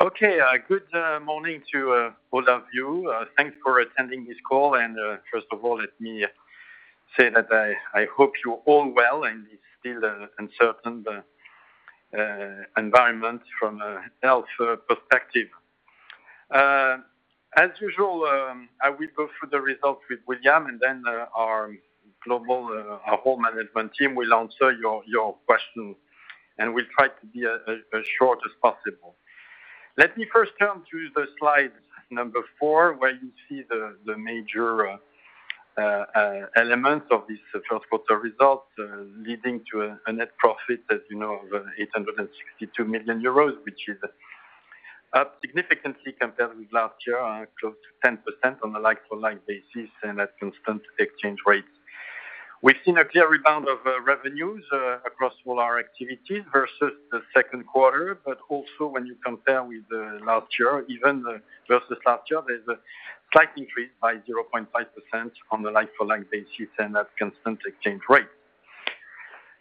Okay. Good morning to all of you. Thanks for attending this call. First of all, let me say that I hope you're all well in this still uncertain environment from a health perspective. As usual, I will go through the results with William, and then our global whole management team will answer your questions, and we'll try to be as short as possible. Let me first turn to slide number 4, where you see the major elements of this third quarter results, leading to a net profit of 862 million euros, which is up significantly compared with last year, close to 10% on a like-for-like basis and at constant exchange rates. We've seen a clear rebound of revenues across all our activities versus the second quarter, but also when you compare with last year, even versus last year, there's a slight increase by 0.5% on a like-for-like basis and at constant exchange rate.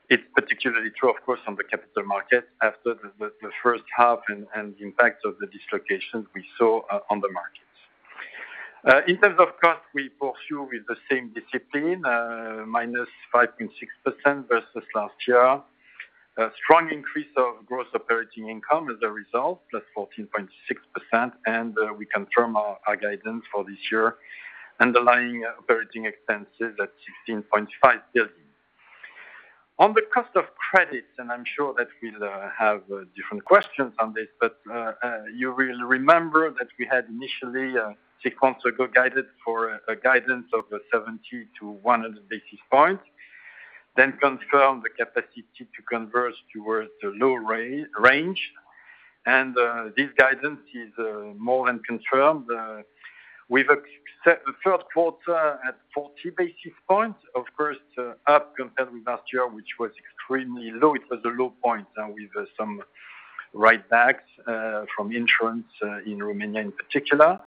It's particularly true, of course, on the capital market after the first half and the impact of the dislocations we saw on the market. In terms of cost, we pursue with the same discipline, minus 5.6% versus last year. A strong increase of gross operating income as a result, plus 14.6%, and we confirm our guidance for this year, underlying operating expenses at 16.5 billion. On the cost of credits, and I'm sure that we'll have different questions on this, but you will remember that we had initially, three months ago, guided for a guidance of 70 to 100 basis points, then confirmed the capacity to converge towards the low range. This guidance is more than confirmed. We have set the third quarter at 40 basis points. Of course, up compared with last year, which was extremely low. It was a low point with some write-backs from insurance in Romania in particular.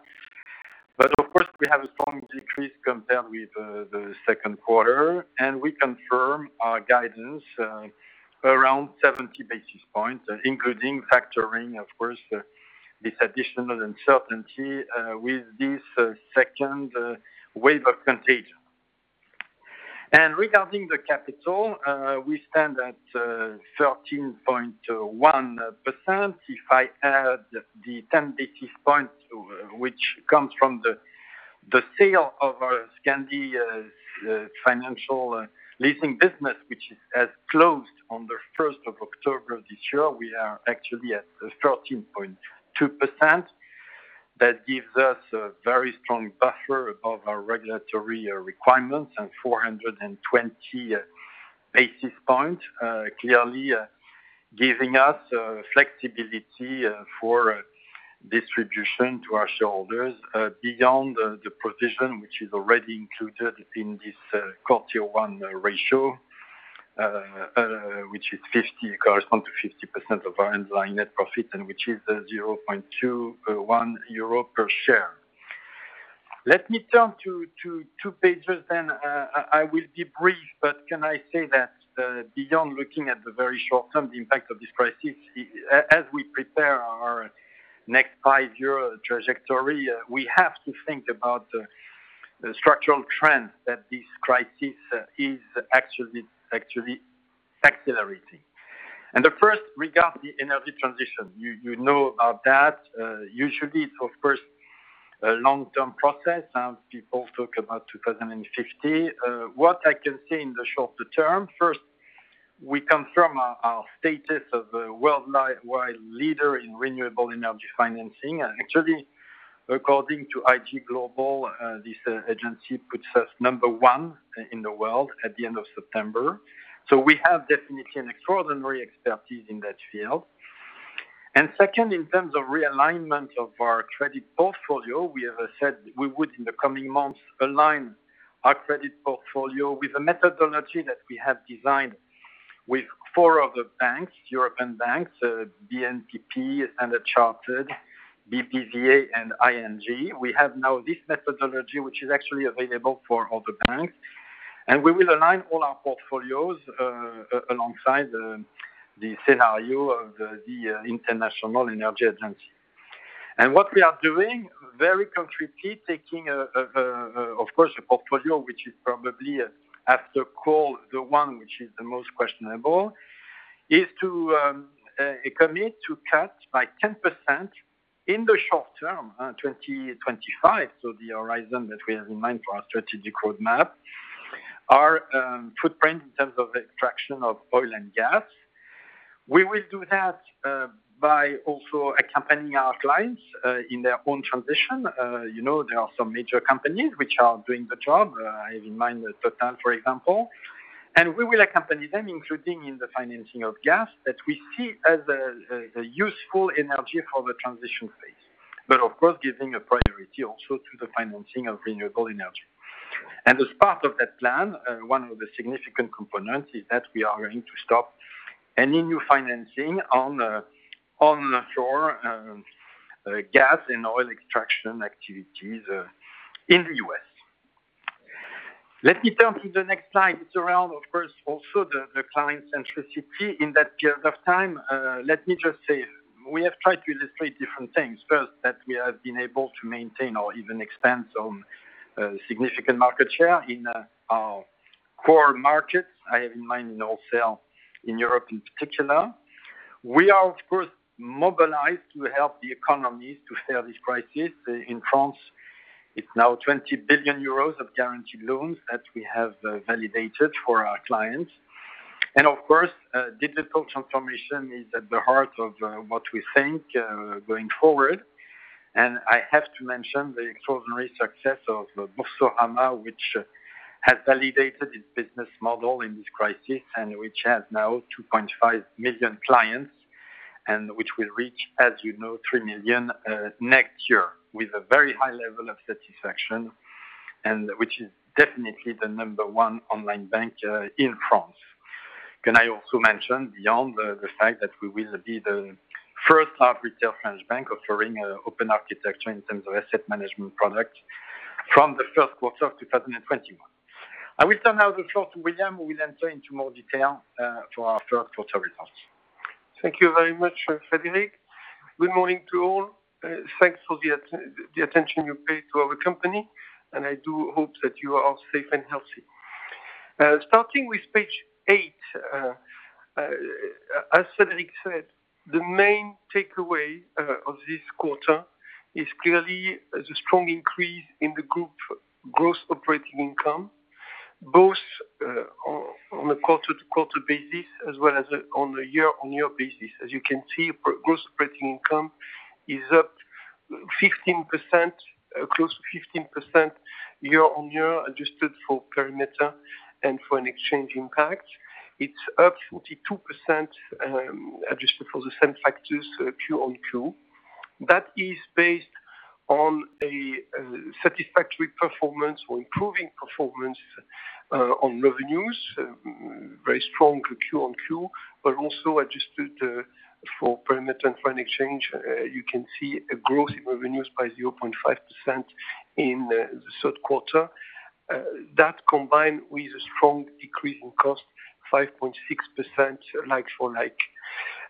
Of course, we have a strong decrease compared with the second quarter, and we confirm our guidance around 70 basis points, including factoring, of course, this additional uncertainty with this second wave of contagion. Regarding the capital, we stand at 13.1%. If I add the 10 basis points, which comes from the sale of our Scandi financial leasing business, which has closed on the 1st of October this year, we are actually at 13.2%. That gives us a very strong buffer above our regulatory requirements and 420 basis points, clearly giving us flexibility for distribution to our shareholders beyond the position which is already included in this quarter one ratio, which correspond to 50% of our underlying net profit and which is 0.21 euro per share. Let me turn to two pages then. I will be brief, but can I say that beyond looking at the very short-term impact of this crisis, as we prepare our next five-year trajectory, we have to think about the structural trends that this crisis is actually accelerating. The first regards the energy transition. You know about that. Usually, it's of course, a long-term process, and people talk about 2050. What I can say in the shorter term, first, we confirm our status of a worldwide leader in renewable energy financing. Actually, according to IJGlobal, this agency puts us number 1 in the world at the end of September. We have definitely an extraordinary expertise in that field. Second, in terms of realignment of our credit portfolio, we have said we would, in the coming months, align our credit portfolio with a methodology that we have designed with 4 other banks, European banks, BNPP, Standard Chartered, BBVA and ING. We have now this methodology, which is actually available for other banks, and we will align all our portfolios alongside the scenario of the International Energy Agency. What we are doing, very concretely, taking, of course, a portfolio which is probably, after coal, the one which is the most questionable, is to commit to cut by 10% in the short term, 2025, so the horizon that we have in mind for our strategic roadmap, our footprint in terms of extraction of oil and gas. We will do that by also accompanying our clients in their own transition. There are some major companies which are doing the job. I have in mind Total, for example. We will accompany them, including in the financing of gas that we see as a useful energy for the transition phase. Of course, giving a priority also to the financing of renewable energy. As part of that plan, one of the significant components is that we are going to stop any new financing on onshore gas and oil extraction activities in the U.S. Let me turn to the next slide. It's around, of course, also the client centricity in that period of time. Let me just say, we have tried to illustrate different things. First, that we have been able to maintain or even expand some significant market share in our core markets. I have in mind wholesale in Europe in particular. We are, of course, mobilized to help the economies to steer this crisis. In France, it's now 20 billion euros of guaranteed loans that we have validated for our clients. Of course, digital transformation is at the heart of what we think going forward. I have to mention the extraordinary success of Boursorama, which has validated its business model in this crisis, and which has now 2.5 million clients, and which will reach, as you know, three million next year, with a very high level of satisfaction, and which is definitely the number one online bank in France. Can I also mention, beyond the fact that we will be the first half retail French bank offering open architecture in terms of asset management product from the first quarter of 2021. I will turn now the floor to William, who will enter into more detail for our third quarter results. Thank you very much, Frédéric. Good morning to all. Thanks for the attention you pay to our company, I do hope that you are all safe and healthy. Starting with page eight, as Frédéric said, the main takeaway of this quarter is clearly the strong increase in the group gross operating income, both on a quarter-to-quarter basis as well as on a year-on-year basis. As you can see, gross operating income is up close to 15% year-on-year, adjusted for perimeter and for an exchange impact. It's up 42%, adjusted for the same factors Q on Q. That is based on a satisfactory performance or improving performance on revenues, very strong Q on Q, but also adjusted for perimeter and foreign exchange. You can see a growth in revenues by 0.5% in the third quarter. That combined with a strong decrease in cost, 5.6% like for like.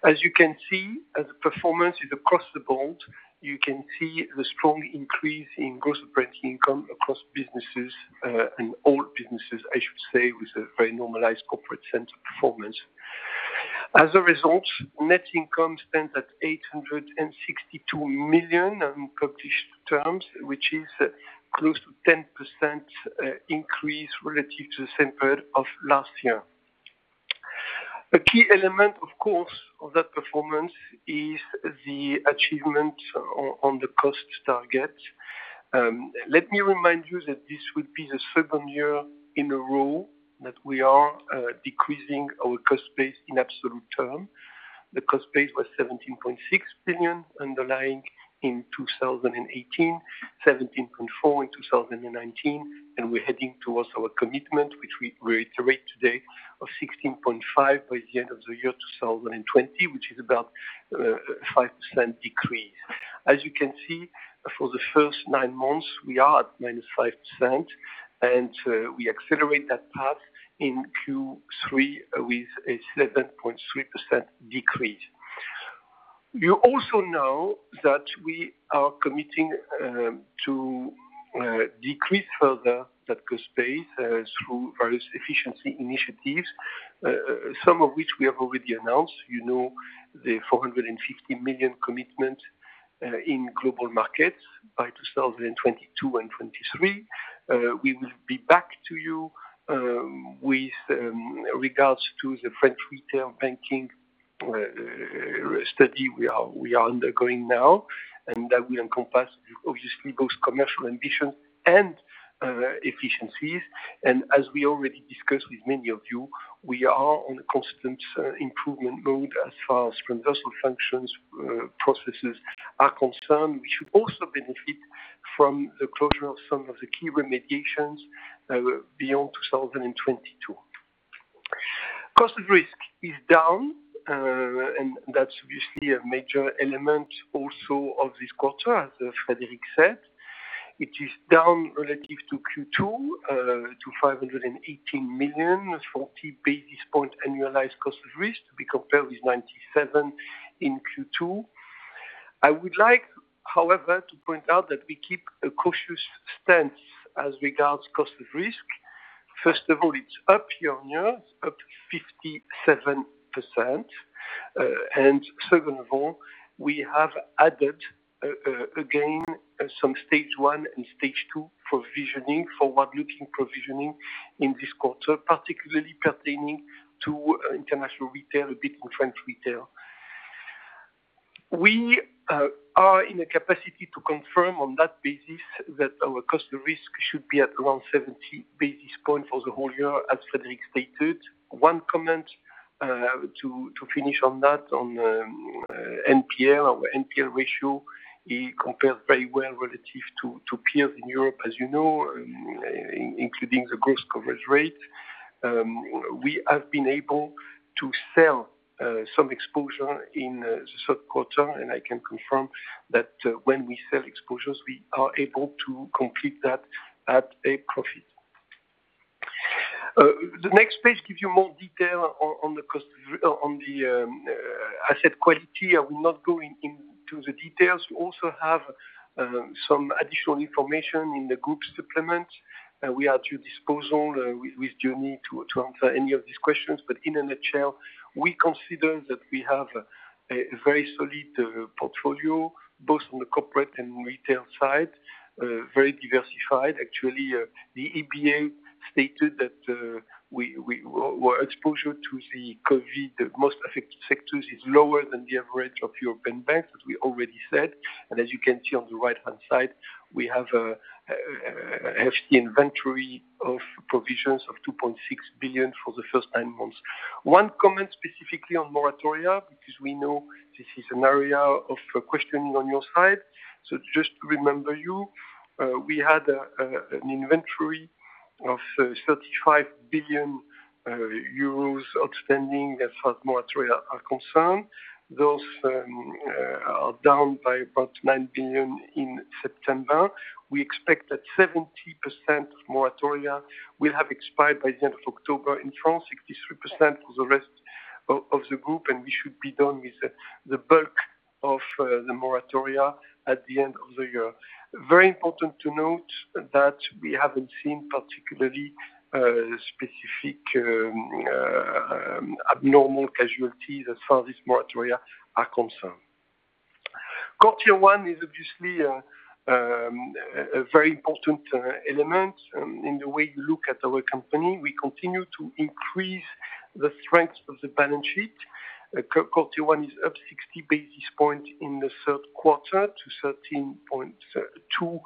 As you can see, as performance is across the board, you can see the strong increase in gross operating income across businesses, in all businesses, I should say, with a very normalized corporate center performance. As a result, net income stands at 862 million in published terms, which is close to 10% increase relative to the same period of last year. A key element, of course, of that performance is the achievement on the cost target. Let me remind you that this will be the second year in a row that we are decreasing our cost base in absolute term. The cost base was 17.6 billion underlying in 2018, 17.4 billion in 2019. We're heading towards our commitment, which we reiterate today, of 16.5 billion by the end of the year 2020, which is about 5% decrease. As you can see, for the first nine months, we are at -5%. We accelerate that path in Q3 with a 7.3% decrease. You also know that we are committing to decrease further that cost base through various efficiency initiatives, some of which we have already announced. You know the 450 million commitment in Global Markets by 2022 and 2023. We will be back to you with regards to the French Retail Banking study we are undergoing now, and that will encompass, obviously, both commercial ambition and efficiencies. As we already discussed with many of you, we are on a constant improvement mode as far as transversal functions, processes are concerned. We should also benefit from the closure of some of the key remediations beyond 2022. Cost of risk is down, and that's obviously a major element also of this quarter, as Frédéric said. It is down relative to Q2 to 518 million, 40 basis points annualized cost of risk to be compared with 97 million in Q2. I would like, however, to point out that we keep a cautious stance as regards cost of risk. First of all, it's up year-on-year, up to 57%. Second of all, we have added, again, some stage 1 and stage 2 provisioning, forward-looking provisioning in this quarter, particularly pertaining to international retail, a bit in French retail. We are in a capacity to confirm on that basis that our cost of risk should be at around 70 basis points for the whole year, as Frédéric stated. One comment to finish on that, on NPL, our NPL ratio, it compares very well relative to peers in Europe, as you know, including the gross coverage rate. We have been able to sell some exposure in the third quarter, and I can confirm that when we sell exposures, we are able to complete that at a profit. The next page gives you more detail on the asset quality. I will not go into the details. We also have some additional information in the group supplement. We are at your disposal, with Journey, to answer any of these questions. In a nutshell, we consider that we have a very solid portfolio, both on the corporate and retail side, very diversified. The EBA stated that our exposure to the COVID, the most affected sectors is lower than the average of European banks, as we already said. As you can see on the right-hand side, we have a hefty inventory of provisions of 2.6 billion for the first nine months. One comment specifically on moratoria, because we know this is an area of questioning on your side. Just to remember you, we had an inventory of 35 billion euros outstanding as far as moratoria are concerned. Those are down by about 9 billion in September. We expect that 70% of moratoria will have expired by the end of October. In France, 63% for the rest of the group, and we should be done with the bulk of the moratoria at the end of the year. Very important to note that we haven't seen particularly specific abnormal casualties as far as this moratoria are concerned. Tier 1 is obviously a very important element in the way you look at our company. We continue to increase the strength of the balance sheet. Tier 1 is up 60 basis points in the third quarter to 13.2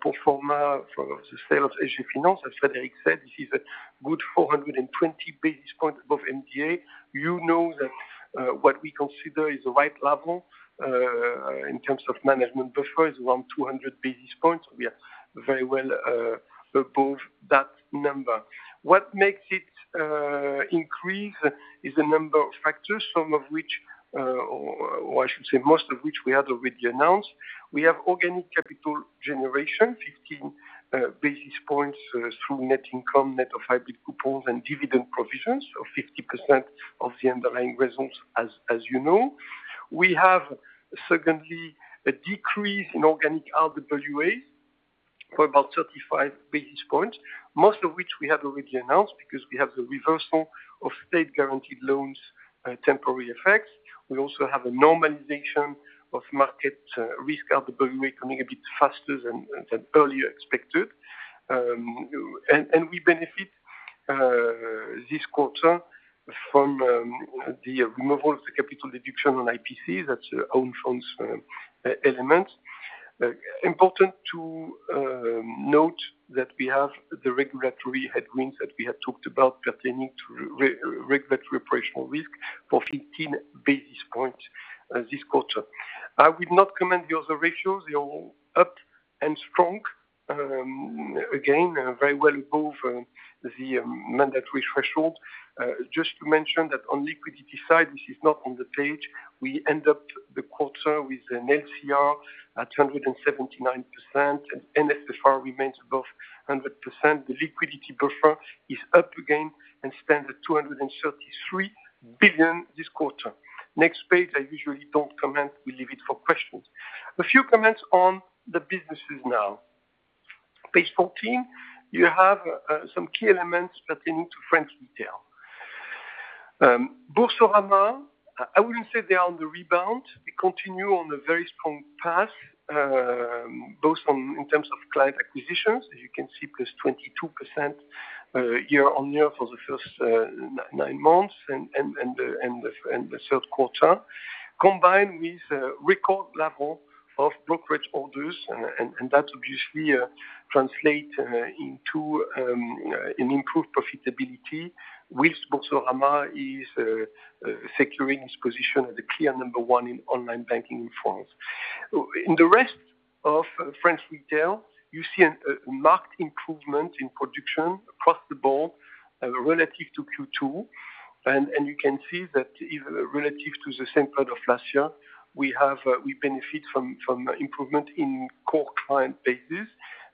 pro forma for the sales. SG Finans, as Frédéric said, this is a good 420 basis points above MDA. You know that what we consider is the right level, in terms of management buffer, is around 200 basis points. We are very well above that number. What makes it increase is a number of factors, some of which, or I should say most of which we had already announced. We have organic capital generation, 15 basis points through net income, net of hybrid coupons, and dividend provisions of 50% of the underlying results, as you know. We have, secondly, a decrease in organic RWA for about 35 basis points, most of which we have already announced because we have the reversal of state-guaranteed loans temporary effect. We also have a normalization of market risk RWA coming a bit faster than earlier expected. We benefit this quarter from the removal of the capital deduction on IPC, that's own funds element. Important to note that we have the regulatory headwinds that we had talked about pertaining to regulatory operational risk for 15 basis points this quarter. I will not comment the other ratios. They're all up and strong, again, very well above the mandatory threshold. Just to mention that on liquidity side, which is not on the page, we end up the quarter with an LCR at 279%, and NSFR remains above 100%. The liquidity buffer is up again and stands at 233 billion this quarter. Next page, I usually don't comment. We leave it for questions. A few comments on the businesses now. Page 14, you have some key elements pertaining to French retail. Boursorama, I wouldn't say they are on the rebound. We continue on a very strong path, both in terms of client acquisitions, as you can see, plus 22% year-over-year for the first nine months and the third quarter, combined with record level of brokerage orders. That obviously translates into an improved profitability, which Boursorama is securing its position as a clear number 1 in online banking in France. In the rest of French retail, you see a marked improvement in production across the board relative to Q2. You can see that relative to the same period of last year, we benefit from improvement in core client basis,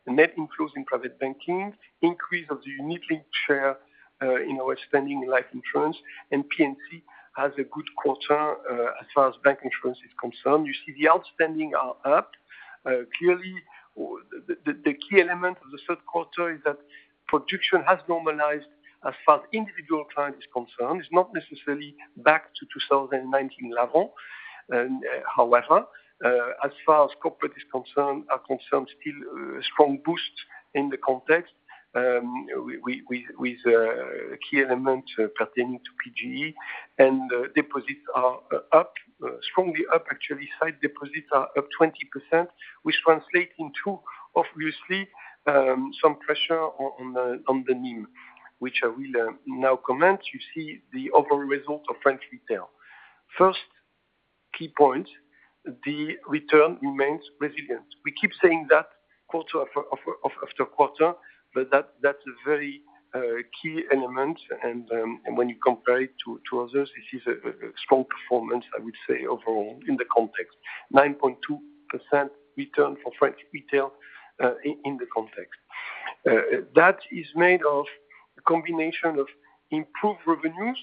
net inflows in private banking, increase of the unit-linked share in our outstanding life insurance, and P&C has a good quarter as far as bank insurance is concerned. You see the outstanding are up. Clearly, the key element of the third quarter is that production has normalized as far as individual client is concerned. It's not necessarily back to 2019 level. As far as corporate is concerned, still a strong boost in the context with a key element pertaining to PGE and deposits are up, strongly up actually. Sight deposits are up 20%, which translates into, obviously, some pressure on the NIM, which I will now comment. You see the overall result of French retail. First key point, the return remains resilient. We keep saying that quarter after quarter, that's a very key element, and when you compare it to others, this is a strong performance, I would say, overall, in the context, 9.2% return for French retail in the context. That is made of a combination of improved revenues,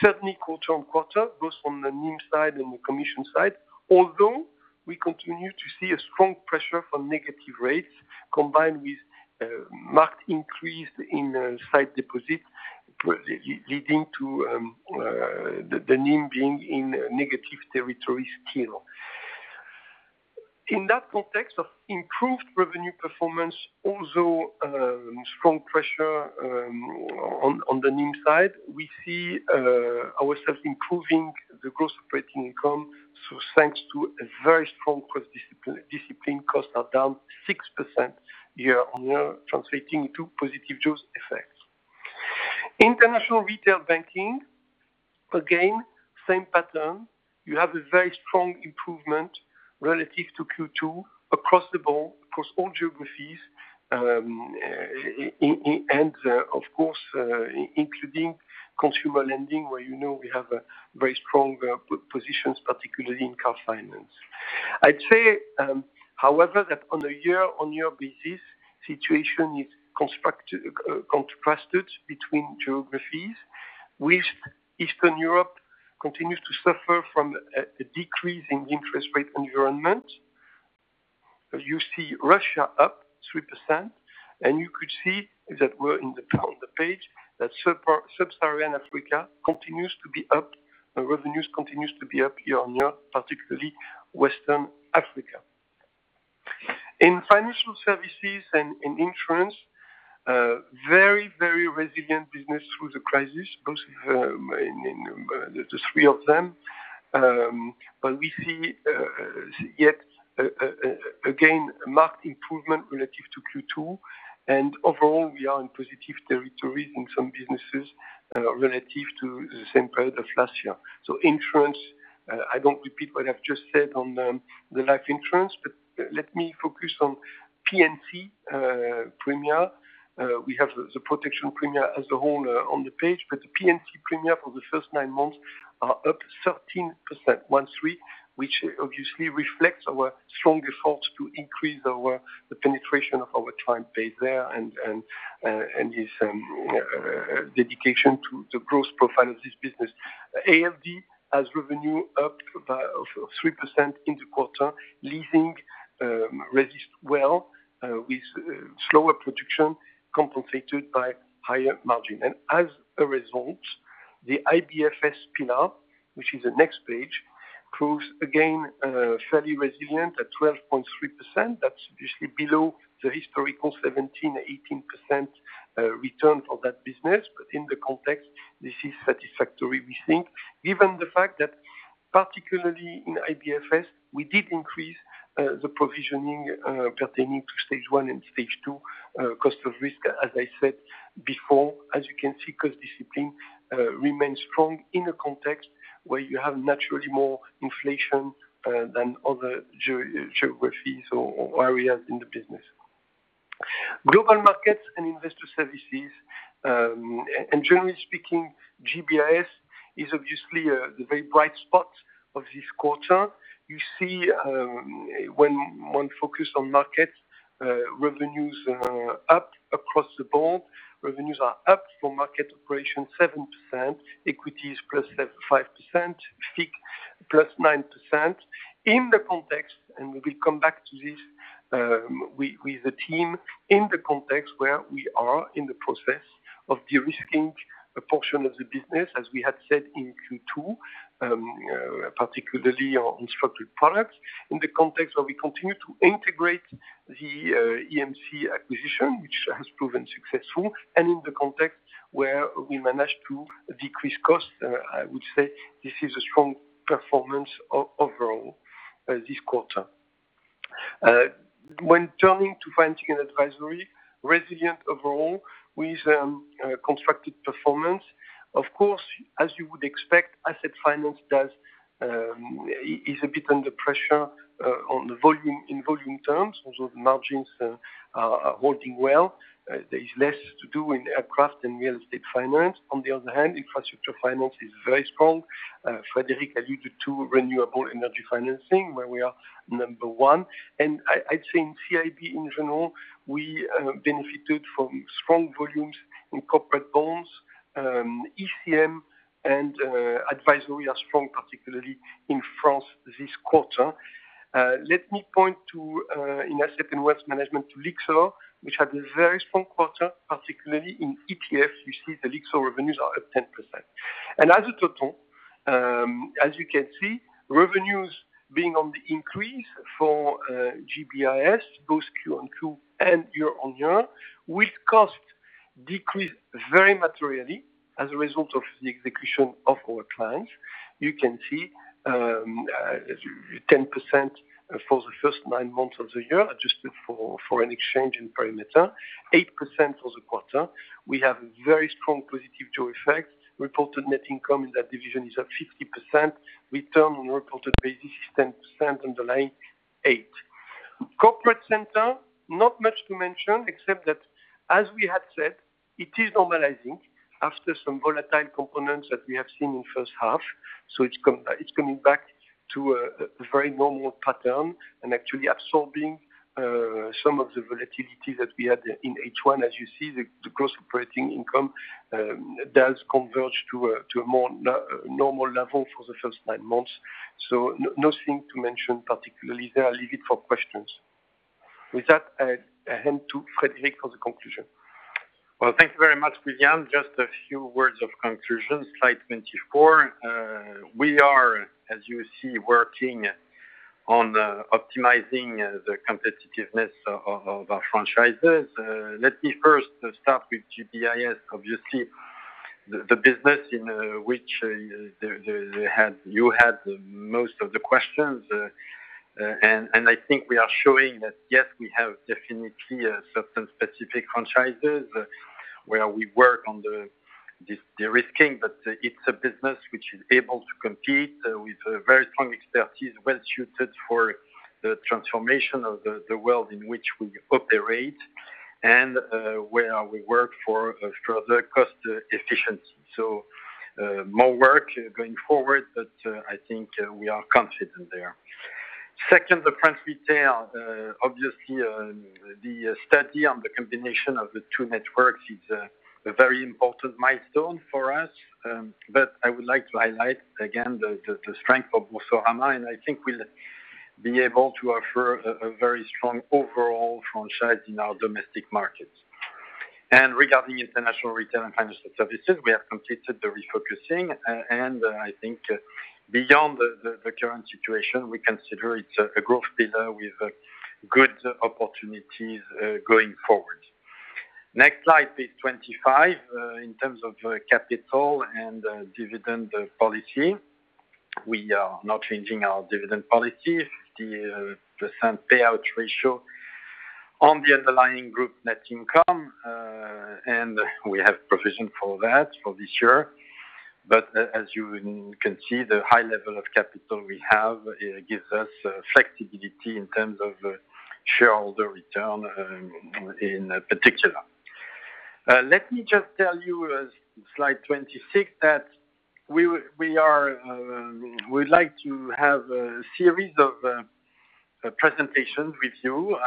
certainly quarter-on-quarter, both from the NIM side and the commission side. Although we continue to see a strong pressure from negative rates, combined with marked increase in sight deposit, leading to the NIM being in negative territory still. In that context of improved revenue performance, although strong pressure on the NIM side, we see ourselves improving the gross operating income. Thanks to a very strong cost discipline, costs are down 6% year-on-year, translating to positive juice effects. International Retail Banking, again, same pattern. You have a very strong improvement relative to Q2 across the board, across all geographies, and of course, including consumer lending, where you know we have very strong positions, particularly in car finance. I'd say, however, that on a year-on-year basis, situation is contrasted between geographies, with Eastern Europe continues to suffer from a decrease in interest rate environment. You see Russia up 3%, you could see that we're in the page that sub-Saharan Africa continues to be up, revenues continues to be up year-on-year, particularly Western Africa. In financial services and in insurance, very resilient business through the crisis, both in the three of them. We see yet again, marked improvement relative to Q2, and overall, we are in positive territory in some businesses relative to the same period of last year. Insurance, I don't repeat what I've just said on the life insurance, but let me focus on P&C Premier. We have the protection premier as the whole on the page, but the P&C Premier for the first nine months are up 13%, one three, which obviously reflects our strong efforts to increase the penetration of our client base there, and this dedication to the growth profile of this business. ALD has revenue up by 3% in the quarter. Leasing, resist well with slower production compensated by higher margin. As a result, the IBFS pillar, which is the next page, proves again, fairly resilient at 12.3%. That's usually below the historical 17%-18% return for that business. In the context, this is satisfactory, we think. Given the fact that particularly in IBFS, we did increase the provisioning pertaining to Stage 1 and Stage 2 cost of risk, as I said before. As you can see, cost discipline remains strong in a context where you have naturally more inflation than other geographies or areas in the business. Global markets and investor services. Generally speaking, GBIS is obviously the very bright spot of this quarter. You see when one focus on markets, revenues are up across the board. Revenues are up for market operations 7%, equities plus 5%, FICC plus 9%, in the context, and we will come back to this with the team, in the context where we are in the process of de-risking a portion of the business, as we had said in Q2, particularly on structured products. In the context where we continue to integrate the EMC acquisition, which has proven successful, and in the context where we managed to decrease costs, I would say this is a strong performance overall this quarter. When turning to financing and advisory, resilient overall with constructed performance. Of course, as you would expect, asset finance is a bit under pressure in volume terms. Also, the margins are holding well. There is less to do in aircraft and real estate finance. On the other hand, infrastructure finance is very strong. Frédéric alluded to renewable energy financing, where we are number 1. I'd say in CIB, in general, we benefited from strong volumes in corporate bonds, ECM, and advisory are strong, particularly in France this quarter. Let me point to, in asset and wealth management, to Lyxor, which had a very strong quarter, particularly in ETFs. You see the Lyxor revenues are up 10%. As a total, as you can see, revenues being on the increase for GBIS, both Q-on-Q and year-on-year, with cost decrease very materially as a result of the execution of our clients. You can see 10% for the first nine months of the year, adjusted for an exchange in perimeter, 8% for the quarter. We have very strong positive to effect. Reported net income in that division is up 50%. Return on a reported basis is 10%, underlying 8%. Corporate center, not much to mention, except that as we had said, it is normalizing after some volatile components that we have seen in first half. It's coming back to a very normal pattern and actually absorbing some of the volatility that we had in H1. As you see, the gross operating income does converge to a more normal level for the first nine months. Nothing to mention particularly there. I leave it for questions. With that, I hand to Frédéric for the conclusion. Well, thank you very much, William. Just a few words of conclusion, slide 24. We are, as you see, working on optimizing the competitiveness of our franchises. Let me first start with GBIS. Obviously, the business in which you had most of the questions, and I think we are showing that, yes, we have definitely a certain specific franchises where we work on the de-risking, but it's a business which is able to compete with a very strong expertise, well-suited for the transformation of the world in which we operate and where we work for further cost efficiency. More work going forward, but I think we are confident there. Second, the French retail, obviously, the study on the combination of the two networks is a very important milestone for us. I would like to highlight again the strength of Boursorama, and I think we'll be able to offer a very strong overall franchise in our domestic markets. Regarding international retail and financial services, we have completed the refocusing, and I think beyond the current situation, we consider it a growth pillar with good opportunities going forward. Next slide, please, 25. In terms of capital and dividend policy, we are not changing our dividend policy. The % payout ratio on the underlying group net income, and we have provision for that for this year. As you can see, the high level of capital we have gives us flexibility in terms of shareholder return in particular. Let me just tell you, slide 26, that we would like to have a series of presentations with you.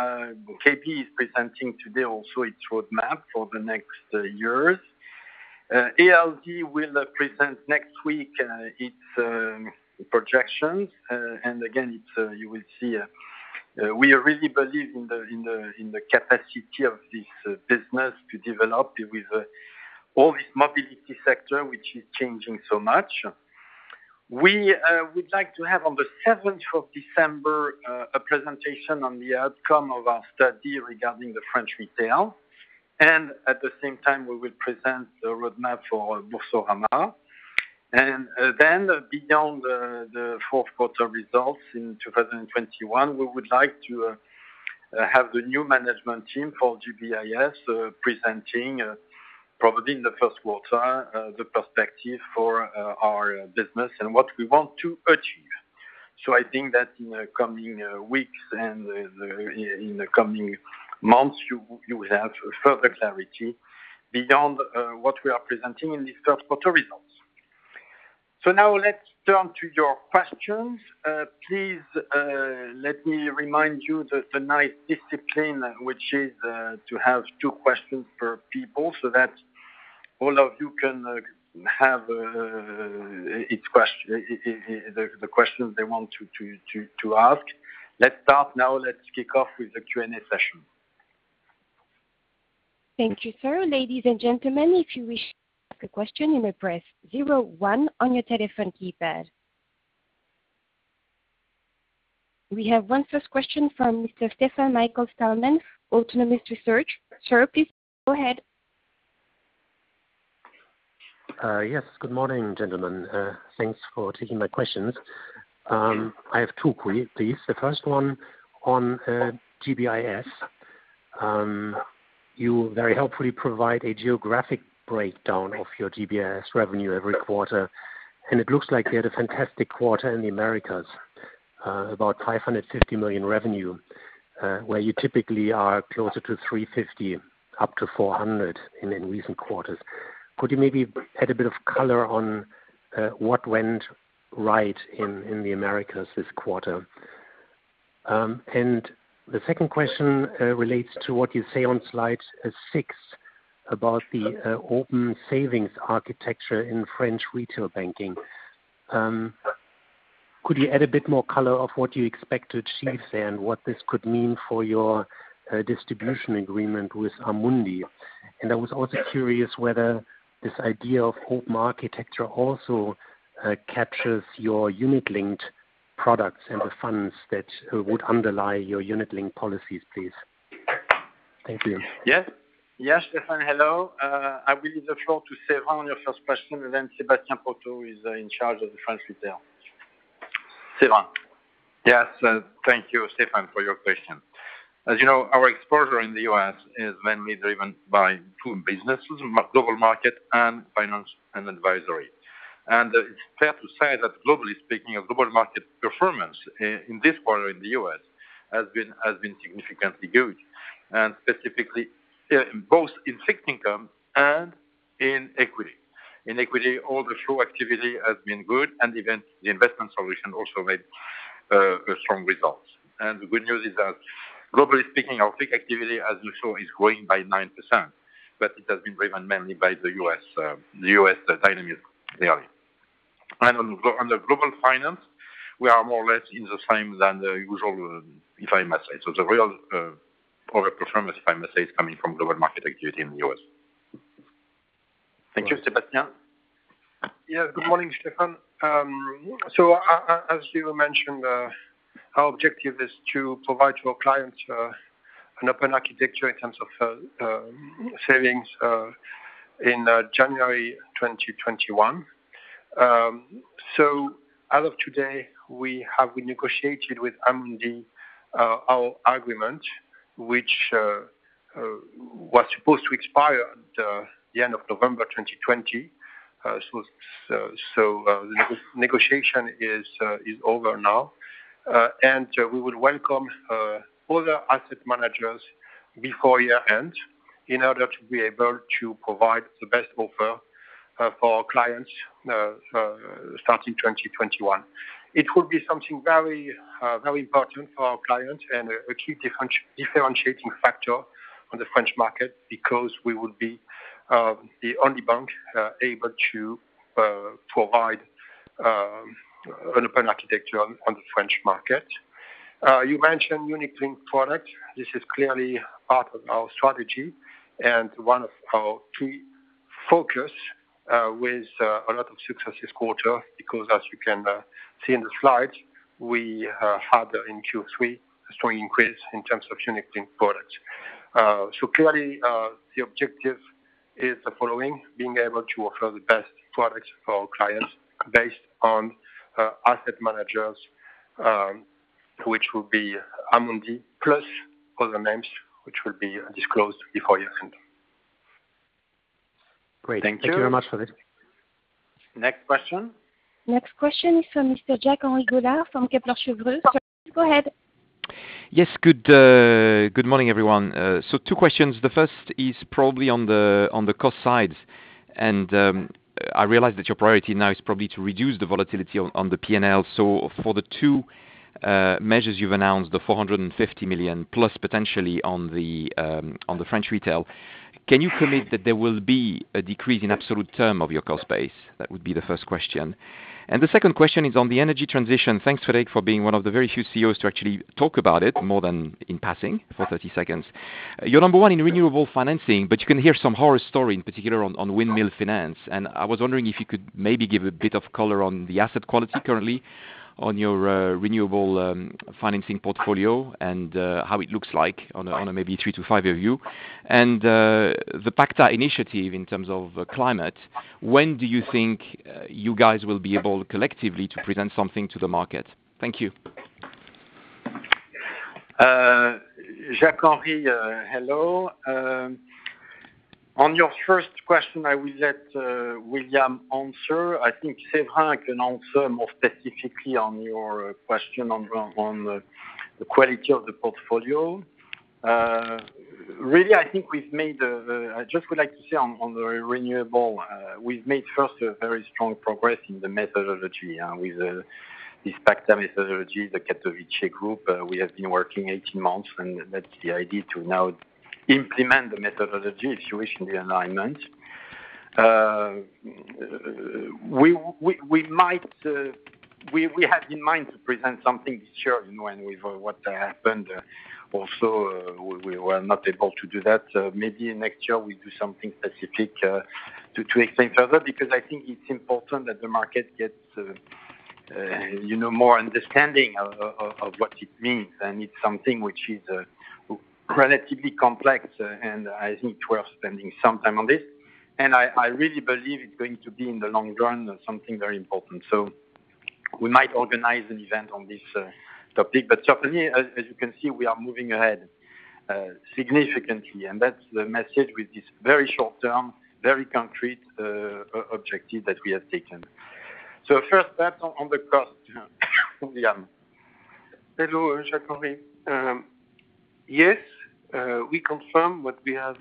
KB is presenting today also its roadmap for the next years. ALD will present next week its projections. Again, you will see we really believe in the capacity of this business to develop with all this mobility sector, which is changing so much. We would like to have on the 7th of December, a presentation on the outcome of our study regarding the French retail. At the same time, we will present the roadmap for Boursorama. Beyond the fourth quarter results in 2021, we would like to have the new management team for GBIS presenting, probably in the first quarter, the perspective for our business and what we want to achieve. I think that in the coming weeks and in the coming months, you will have further clarity beyond what we are presenting in these first quarter results. Now let's turn to your questions. Please let me remind you the nice discipline, which is to have two questions per people so that all of you can have the questions they want to ask. Let's start now. Let's kick off with the Q&A session. Thank you, sir. Ladies and gentlemen, if you wish to ask a question, you may press zero one on your telephone keypad. We have one first question from Mr. Stefan Michael Stalmann, Autonomous Research. Sir, please go ahead. Yes, good morning, gentlemen. Thanks for taking my questions. I have two quick, please. The first one on GBIS. You very helpfully provide a geographic breakdown of your GBIS revenue every quarter, and it looks like you had a fantastic quarter in the Americas, about 550 million revenue, where you typically are closer to 350 up to 400 in recent quarters. Could you maybe add a bit of color on what went right in the Americas this quarter? The second question relates to what you say on slide six about the open savings architecture in French retail banking. Could you add a bit more color of what you expect to achieve there and what this could mean for your distribution agreement with Amundi? I was also curious whether this idea of open architecture also captures your unit-linked products and the funds that would underlie your unit-linked policies, please. Thank you. Yes, Stefan, hello. I will leave the floor to Séverin on your first question, then Sébastien Proto is in charge of the French retail. Séverin. Yes. Thank you, Stefan, for your question. As you know, our exposure in the U.S. is mainly driven by two businesses, Global Markets and Finance and Advisory. It's fair to say that globally speaking, global market performance in this quarter in the U.S. has been significantly good, and specifically both in fixed income and in equity. In equity, all the flow activity has been good, and even the investment solution also made strong results. The good news is that, globally speaking, our FICC activity, as you saw, is growing by 9%, but it has been driven mainly by the U.S. dynamic really. On the global finance, we are more or less in the same than the usual, if I must say. The real product performance, if I must say, is coming from global market activity in the U.S. Thank you. Sébastien? Yeah. Good morning, Stefan. As you mentioned, our objective is to provide to our clients an open architecture in terms of savings in January 2021. As of today, we have renegotiated with Amundi our agreement, which was supposed to expire at the end of November 2020. Negotiation is over now. We would welcome other asset managers before year-end in order to be able to provide the best offer for our clients starting 2021. It would be something very important for our clients and a key differentiating factor on the French market because we would be the only bank able to provide an open architecture on the French market. You mentioned unit-linked product. This is clearly part of our strategy and one of our key focus with a lot of success this quarter, because as you can see in the slide, we had in Q3 a strong increase in terms of unit-linked products. Clearly, the objective is the following, being able to offer the best products for our clients based on asset managers, which will be Amundi plus other names, which will be disclosed before year-end. Great. Thank you very much, Frédéric. Next question. Next question is from Mr. Jacques-Henri Gaulard from Kepler Cheuvreux. Go ahead. Yes. Good morning, everyone. Two questions. The first is probably on the cost side, and I realize that your priority now is probably to reduce the volatility on the P&L. For the two measures you've announced, the 450 million plus potentially on the French retail, can you commit that there will be a decrease in absolute term of your cost base? That would be the first question. The second question is on the energy transition. Thanks, Frédéric, for being one of the very few CEOs to actually talk about it more than in passing for 30 seconds. You're number one in renewable financing, but you can hear some horror story, in particular on windmill finance. I was wondering if you could maybe give a bit of color on the asset quality currently on your renewable financing portfolio and how it looks like on a maybe three to five-year view. The PACTA initiative in terms of climate, when do you think you guys will be able collectively to present something to the market? Thank you. Jacques-Henri, hello. On your first question, I will let William answer. I think Séverin can answer more specifically on your question on the quality of the portfolio. Really, I think I just would like to say on the renewable, we've made first a very strong progress in the methodology with this PACTA methodology, the Katowice group. We have been working 18 months, and that's the idea to now implement the methodology if you wish, in the alignment. We have in mind to present something this year, and with what happened also, we were not able to do that. Maybe next year we do something specific to explain further, because I think it's important that the market gets more understanding of what it means, and it's something which is relatively complex, and I think it's worth spending some time on this. I really believe it's going to be, in the long run, something very important. We might organize an event on this topic. Certainly, as you can see, we are moving ahead significantly, and that's the message with this very short-term, very concrete objective that we have taken. First, that on the cost. William. Hello, Jacques-Henri. Yes, we confirm what we have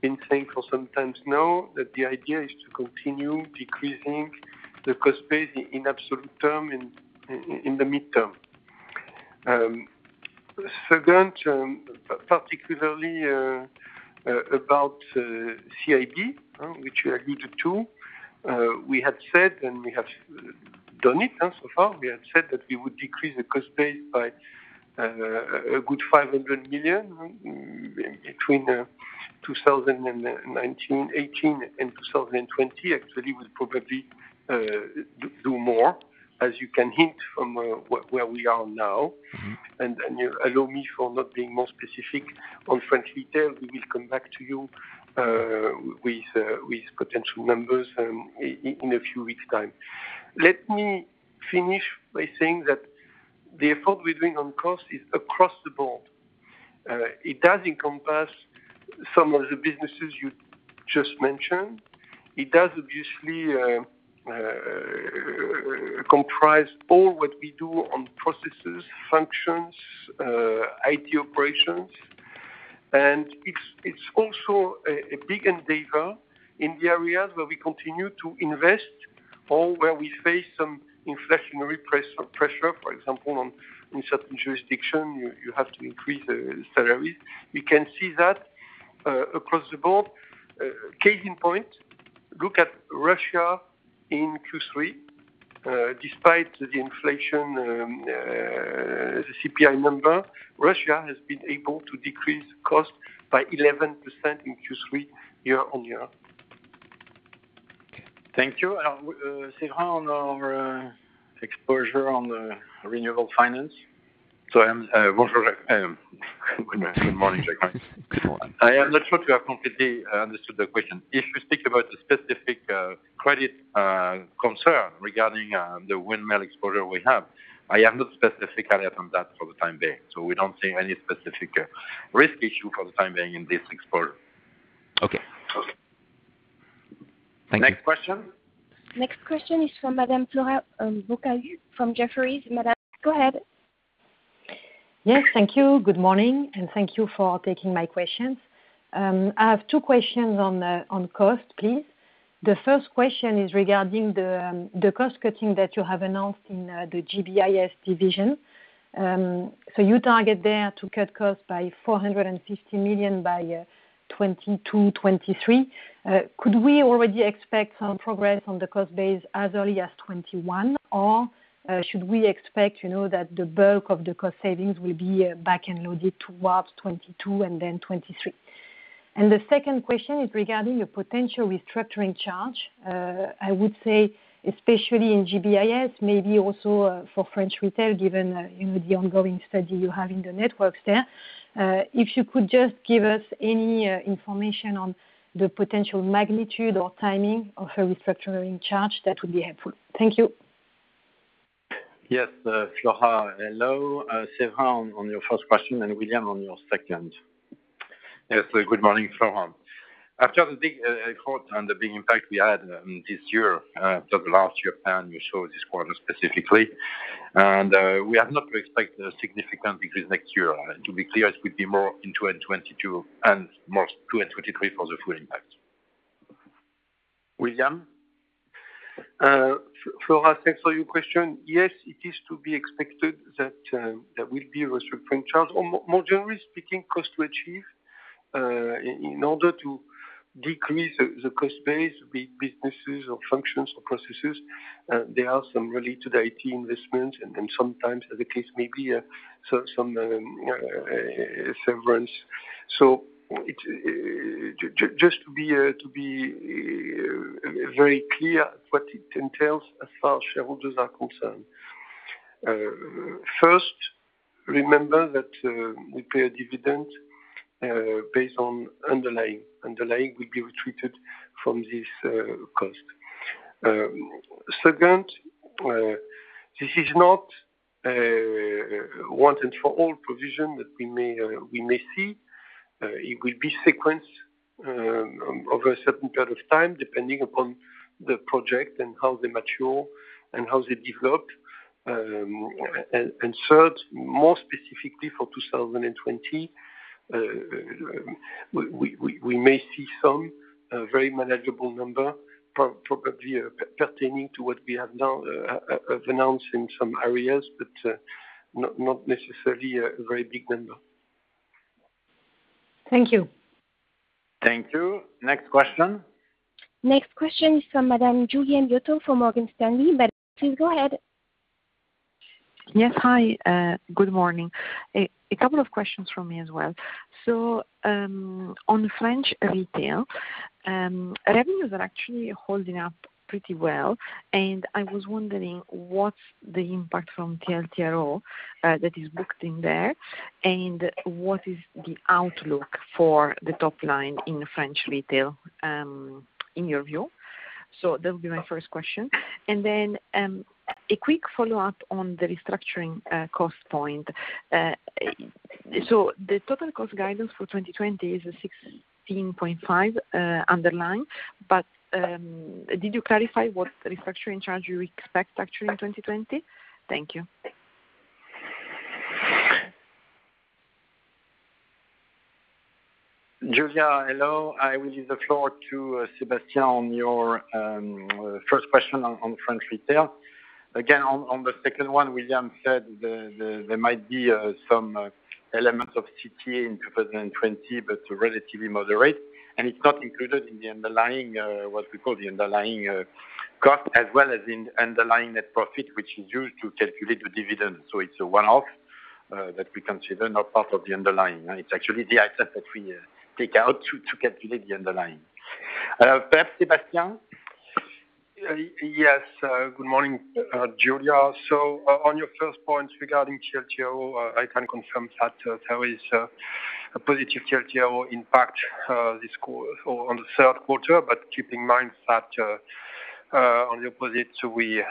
been saying for some time now, that the idea is to continue decreasing the cost base in absolute term in the midterm. Second, particularly about CIB, which you are leading to, we had said, and we have done it so far, we had said that we would decrease the cost base by a good 500 million between 2018 and 2020. Actually, we'll probably do more, as you can hint from where we are now. Allow me for not being more specific on French Retail. We will come back to you with potential numbers in a few weeks' time. Let me finish by saying that the effort we're doing on cost is across the board. It does encompass some of the businesses you just mentioned. It does obviously comprise all that we do on processes, functions, IT operations. It's also a big endeavor in the areas where we continue to invest, or where we face some inflationary pressure. For example, in certain jurisdictions, you have to increase the salaries. We can see that across the board. Case in point, look at Russia in Q3. Despite the inflation, the CPI number, Russia has been able to decrease cost by 11% in Q3, year-on-year. Thank you. Séverin, on our exposure on the renewable finance. Good morning, Jacques. Good morning. I am not sure to have completely understood the question. If you speak about the specific credit concern regarding the windmill exposure we have, I am not specifically on that for the time being. We don't see any specific risk issue for the time being in this exposure. Okay. Thank you. Next question. Next question is from Madame Flora Bocahut from Jefferies. Madame, go ahead. Yes. Thank you. Good morning, and thank you for taking my questions. I have two questions on cost, please. The first question is regarding the cost-cutting that you have announced in the GBIS division. You target there to cut costs by 450 million by 2022, 2023. Could we already expect some progress on the cost base as early as 2021, or should we expect that the bulk of the cost savings will be back-end loaded towards 2022 and then 2023? The second question is regarding a potential restructuring charge. I would say, especially in GBIS, maybe also for French Retail, given the ongoing study you have in the networks there. If you could just give us any information on the potential magnitude or timing of a restructuring charge, that would be helpful. Thank you. Yes, Flora. Hello. Séverin, on your first question, and William, on your second. Yes. Good morning, Flora. After the big cut and the big impact we had this year, for the last year, we show this quarter specifically, we have not to expect a significant decrease next year. To be clear, it will be more in 2022, more 2023 for the full impact. William? Flora, thanks for your question. Yes, it is to be expected that there will be a restructuring charge or, more generally speaking, cost to achieve in order to decrease the cost base, be it businesses or functions or processes. There are some related IT investments and then sometimes the case may be some severance. Just to be very clear what it entails as far as shareholders are concerned. First, remember that we pay a dividend based on underlying. Underlying will be retreated from this cost. Second, this is not a once and for all provision that we may see. It will be sequenced over a certain period of time, depending upon the project and how they mature and how they develop. Third, more specifically for 2020, we may see some very manageable number, probably pertaining to what we have announced in some areas, not necessarily a very big number. Thank you. Thank you. Next question. Next question is from Madame Giulia Miotto from Morgan Stanley. Madame, please go ahead. Yes. Hi. Good morning. A couple of questions from me as well. On French Retail, revenues are actually holding up pretty well, and I was wondering what's the impact from TLTRO that is booked in there, and what is the outlook for the top line in French Retail in your view? That will be my first question. Then, a quick follow-up on the restructuring cost point. The total cost guidance for 2020 is 16.5 underlying, but did you clarify what restructuring charge you expect actually in 2020? Thank you. Giulia, hello. I will give the floor to Sébastien on your first question on French Retail. On the second one, William said there might be some elements of CTA in 2020, but relatively moderate, and it is not included in what we call the underlying cost, as well as in underlying net profit, which is used to calculate the dividend. It is a one-off that we consider not part of the underlying. It is actually the item that we take out to calculate the underlying. First, Sébastien. Yes. Good morning, Giulia. On your first point regarding TLTRO, I can confirm that there is a positive TLTRO impact on the third quarter, but keep in mind that On the opposite, we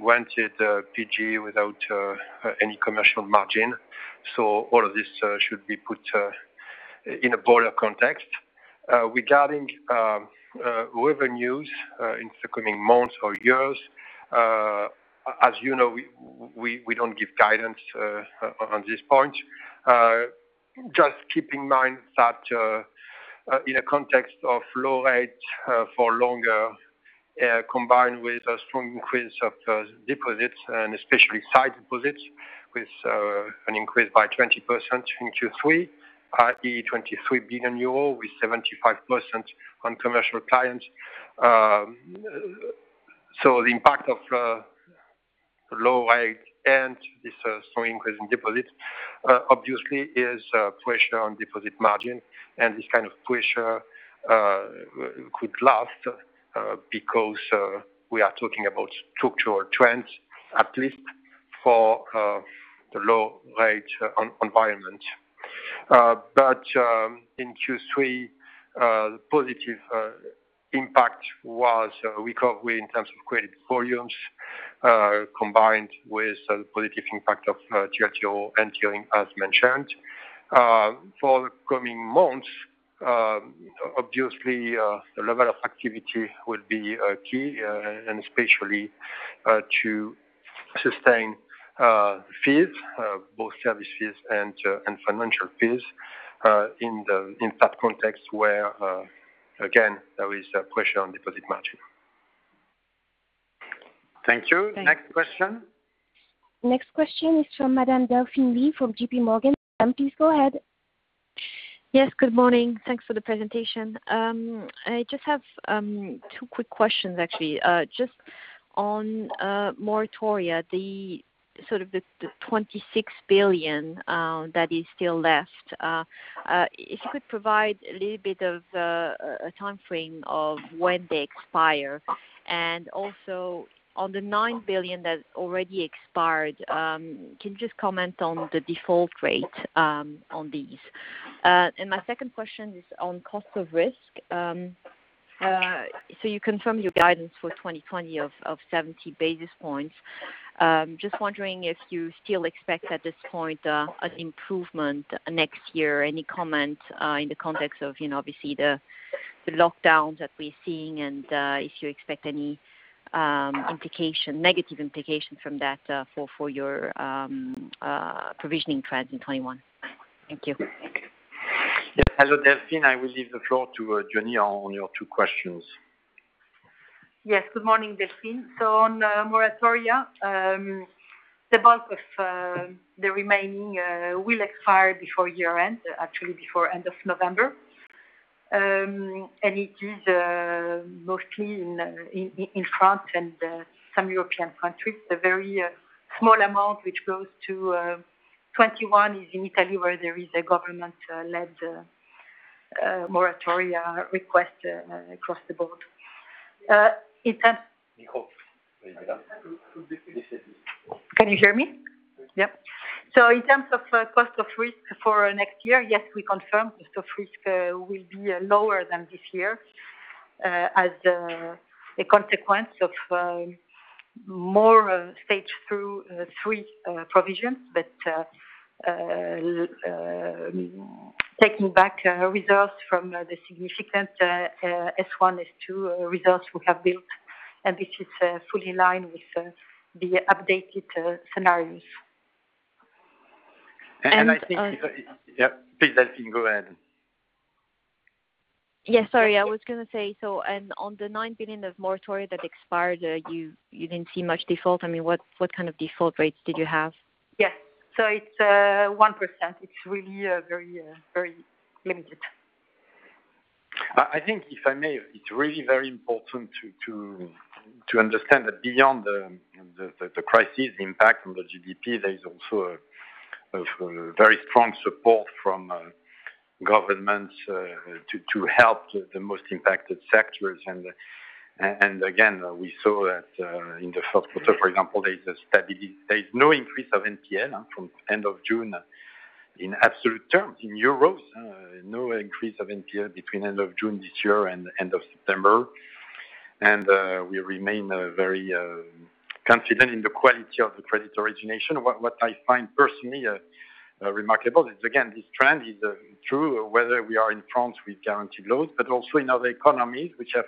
granted PGE without any commercial margin. All of this should be put in a broader context. Regarding revenues in the coming months or years, as you know, we don't give guidance on this point. Just keep in mind that in a context of low rates for longer, combined with a strong increase of deposits, and especially sight deposits, with an increase by 20% in Q3, i.e., 23 billion euro, with 75% on commercial clients. The impact of low rate and this strong increase in deposits, obviously, is pressure on deposit margin, and this kind of pressure could last because we are talking about structural trends, at least for the low-rate environment. In Q3, the positive impact was recovery in terms of credit volumes, combined with the positive impact of TLTRO and Tier 1, as mentioned. For the coming months, obviously, the level of activity will be key, and especially to sustain fees, both service fees and financial fees in that context where, again, there is pressure on deposit margin. Thank you. Next question. Next question is from Madame Delphine Lee from JPMorgan. Ma'am, please go ahead. Yes, good morning. Thanks for the presentation. I just have two quick questions, actually. Just on moratoria, the sort of the 26 billion that is still left. If you could provide a little bit of a timeframe of when they expire, and also on the 9 billion that already expired, can you just comment on the default rate on these? My second question is on cost of risk. You confirm your guidance for 2020 of 70 basis points. Just wondering if you still expect, at this point, an improvement next year. Any comment in the context of obviously the lockdowns that we're seeing, and if you expect any negative implications from that for your provisioning trends in 2021. Thank you. Yes. Hello, Delphine. I will give the floor to Jeanie on your two questions. Yes, good morning, Delphine. On moratoria, the bulk of the remaining will expire before year-end, actually before end of November. It is mostly in France and some European countries, a very small amount which goes to 2021 is in Italy, where there is a government-led moratoria request across the board. Nicole. Can you hear me? Yep. In terms of cost of risk for next year, yes, we confirm cost of risk will be lower than this year as a consequence of more Stage 3 provisions that take back results from the significant S1, S2 results we have built, and this is fully in line with the updated scenarios. I think. Yep. Please, Delphine, go ahead. Yes, sorry. I was going to say, on the 9 billion of moratoria that expired, you didn't see much default. What kind of default rates did you have? Yes. It's 1%. It's really very limited. I think, if I may, it's really very important to understand that beyond the crisis impact on the GDP, there is also a very strong support from governments to help the most impacted sectors. Again, we saw that in the first quarter, for example, there is no increase of NPL from end of June in absolute terms, in EUR. No increase of NPL between end of June this year and end of September. We remain very confident in the quality of the credit origination. What I find personally remarkable is, again, this trend is true whether we are in France with guaranteed loans, but also in other economies which have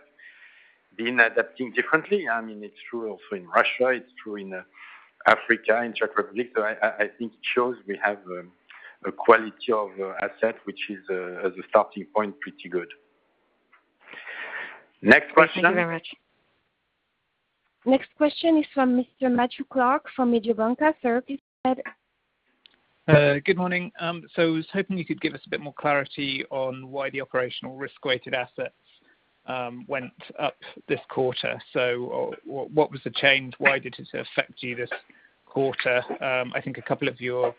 been adapting differently. It's true also in Russia, it's true in Africa, in Czech Republic. I think it shows we have a quality of asset, which is, as a starting point, pretty good. Next question. Thank you very much. Next question is from Mr. Matthew Clark from Mediobanca. Sir, please go ahead. Good morning. I was hoping you could give us a bit more clarity on why the operational risk-weighted assets went up this quarter. What was the change? Why did it affect you this quarter? I think a couple of your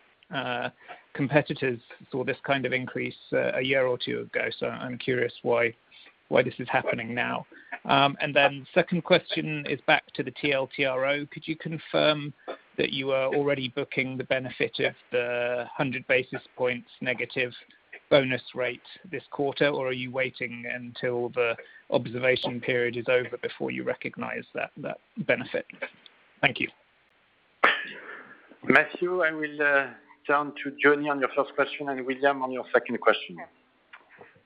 competitors saw this kind of increase a year or two ago, so I am curious why this is happening now. Second question is back to the TLTRO. Could you confirm that you are already booking the benefit of the 100 basis points negative bonus rate this quarter, or are you waiting until the observation period is over before you recognize that benefit? Thank you. Matthew, I will turn to Jenny on your first question and William on your second question.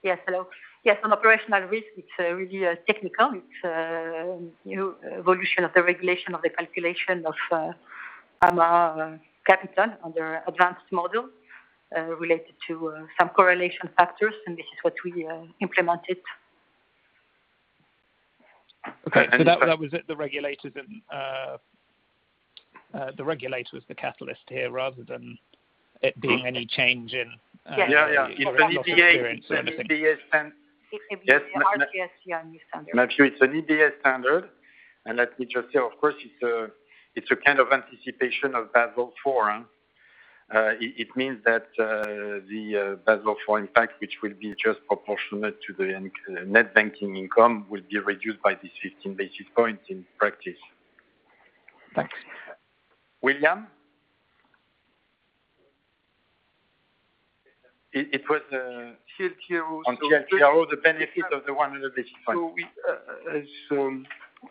Yes. Hello. Yes, on operational risk, it's really technical. It's a new evolution of the regulation of the calculation of capital under advanced model related to some correlation factors, and this is what we implemented. Okay. That was the regulators and the catalyst here rather than it being any change. Yes. Yeah. It's an EBA standard. It's EBA RTS on this one. Matthew, it's an EBA standard. Let me just say, of course, it's a kind of anticipation of Basel IV. It means that the Basel IV impact, which will be just proportionate to the net banking income, will be reduced by these 15 basis points in practice. Thanks. William? It was on TLTRO, the benefit of the 100 basis point.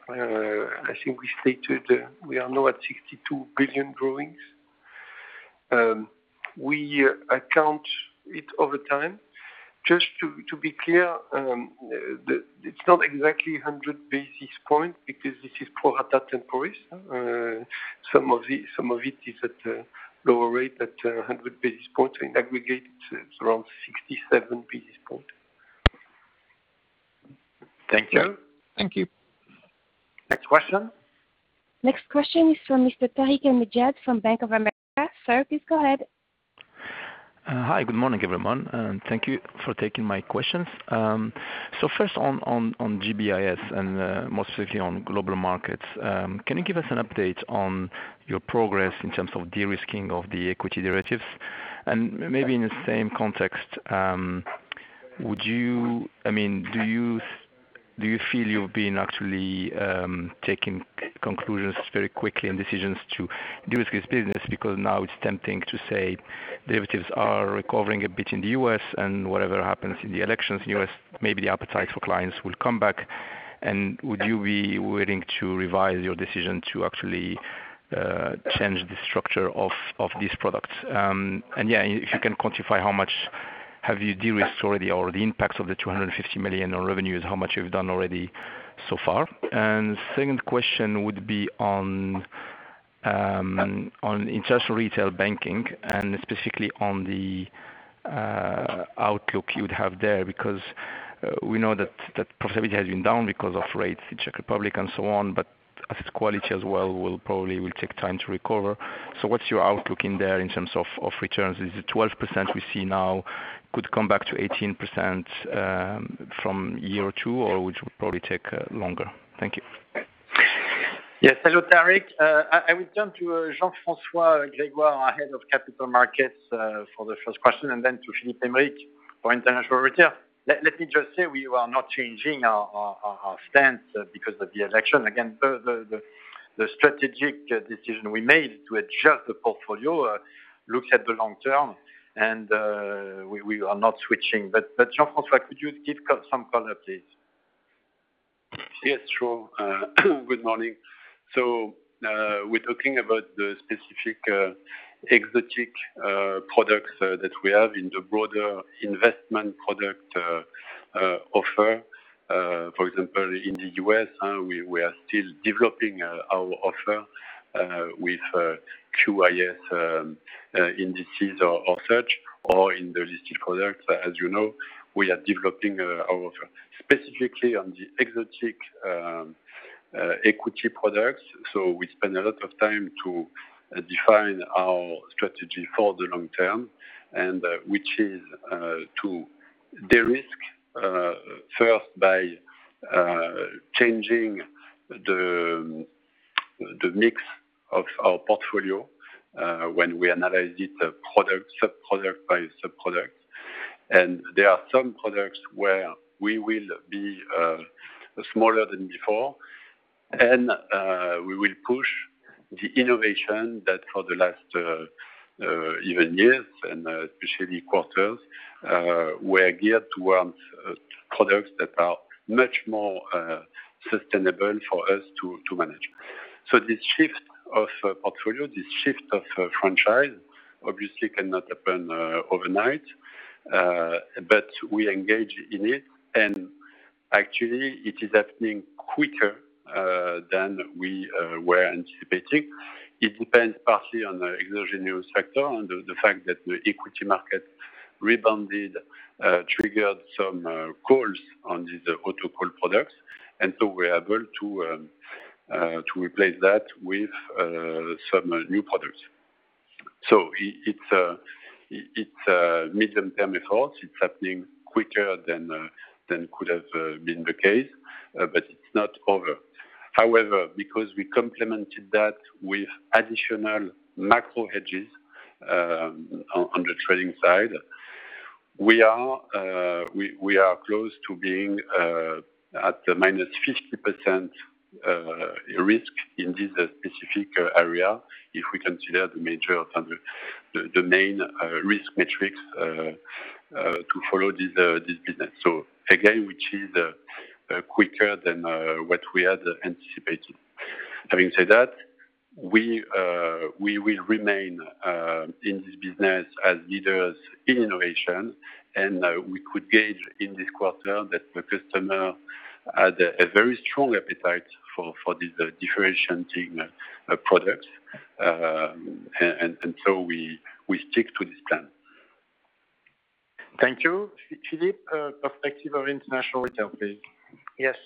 I think we stated we are now at 62 billion borrowings. We account it over time. Just to be clear, it's not exactly 100 basis points because this is pro rata temporis. Some of it is at a lower rate at 100 basis points. In aggregate, it's around 67 basis points. Thank you. Thank you. Next question. Next question is from Mr. Tarik El Mejjad from Bank of America. Sir, please go ahead. Hi, good morning, everyone, and thank you for taking my questions. First on GBIS and more specifically on global markets, can you give us an update on your progress in terms of de-risking of the equity derivatives? Maybe in the same context, do you feel you've been actually taking conclusions very quickly and decisions to de-risk this business? Now it's tempting to say derivatives are recovering a bit in the U.S. and whatever happens in the elections in the U.S., maybe the appetite for clients will come back. Would you be willing to revise your decision to actually change the structure of these products? If you can quantify how much have you de-risked already or the impact of the 250 million on revenues, how much you've done already so far? Second question would be on international retail banking and specifically on the outlook you would have there, because we know that profitability has been down because of rates in Czech Republic and so on, but asset quality as well will probably take time to recover. What's your outlook in there in terms of returns? Is it 12% we see now could come back to 18% from year two, or which will probably take longer? Thank you. Yes. Hello, Tarik. I will turn to Jean-François Grégoire, our head of capital markets, for the first question, and then to Philippe Hervier for international retail. Let me just say we are not changing our stance because of the election. The strategic decision we made to adjust the portfolio looks at the long term, and we are not switching. Jean-François, could you give some color, please? Yes, sure. Good morning. We're talking about the specific exotic products that we have in the broader investment product offer. For example, in the U.S., we are still developing our offer with QIS indices or such, or in the listed products. As you know, we are developing our offer specifically on the exotic equity products. We spend a lot of time to define our strategy for the long term, which is to de-risk first by changing the mix of our portfolio when we analyzed it product by sub-product. There are some products where we will be smaller than before, and we will push the innovation that for the last even years, and especially quarters, were geared towards products that are much more sustainable for us to manage. This shift of portfolio, this shift of franchise, obviously cannot happen overnight. We engage in it, and actually it is happening quicker than we were anticipating. It depends partly on the exogenous factor and the fact that the equity market rebounded, triggered some calls on these autocall products, and so we are able to replace that with some new products. It's a medium-term effort. It's happening quicker than could have been the case, but it's not over. However, because we complemented that with additional macro hedges on the trading side, we are close to being at the minus 50% risk in this specific area if we consider The main risk metrics to follow this business. Again, which is quicker than what we had anticipated. Having said that, we will remain in this business as leaders in innovation, and we could gauge in this quarter that the customer had a very strong appetite for this differentiating product. We stick to this plan. Thank you. Philippe, perspective of international retail, please. Yes.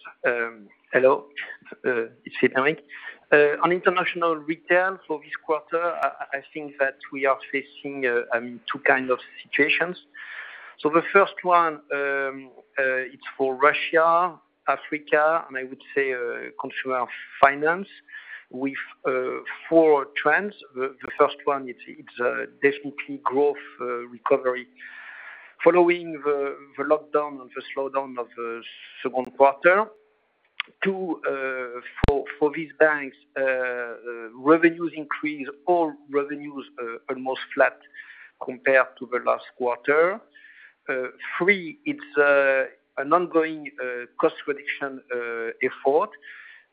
Hello, it's Philippe. On international retail for this quarter, I think that we are facing two kinds of situations. The first one, it's for Russia, Africa, and I would say consumer finance with four trends. The first one, it's definitely growth recovery following the lockdown and the slowdown of the second quarter. Two, for these banks, revenues increase, all revenues are almost flat compared to the last quarter. Three, it's an ongoing cost-reduction effort.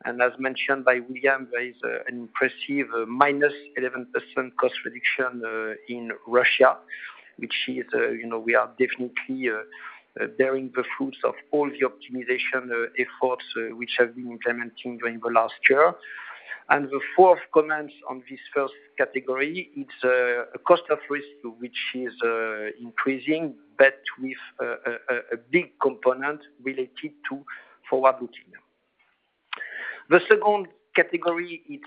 As mentioned by William, there is an impressive -11% cost reduction in Russia, which we are definitely bearing the fruits of all the optimization efforts which have been implementing during the last year. The fourth comment on this 1st category, it's a cost of risk, which is increasing, but with a big component related to forward-looking. The 2nd category is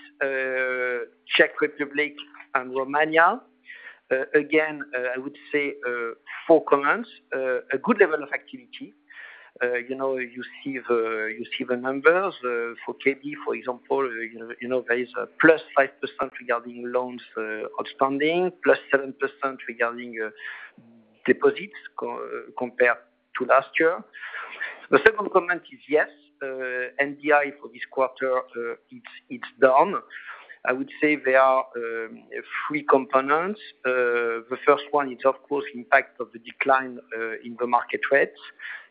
Czech Republic and Romania. Again, I would say four comments, a good level of activity. You see the numbers for KB, for example, there is a +5% regarding loans outstanding, +7% regarding deposits compared to last year. The second comment is, yes, NDI for this quarter, it's down. I would say there are three components. The first one is, of course, impact of the decline in the market rates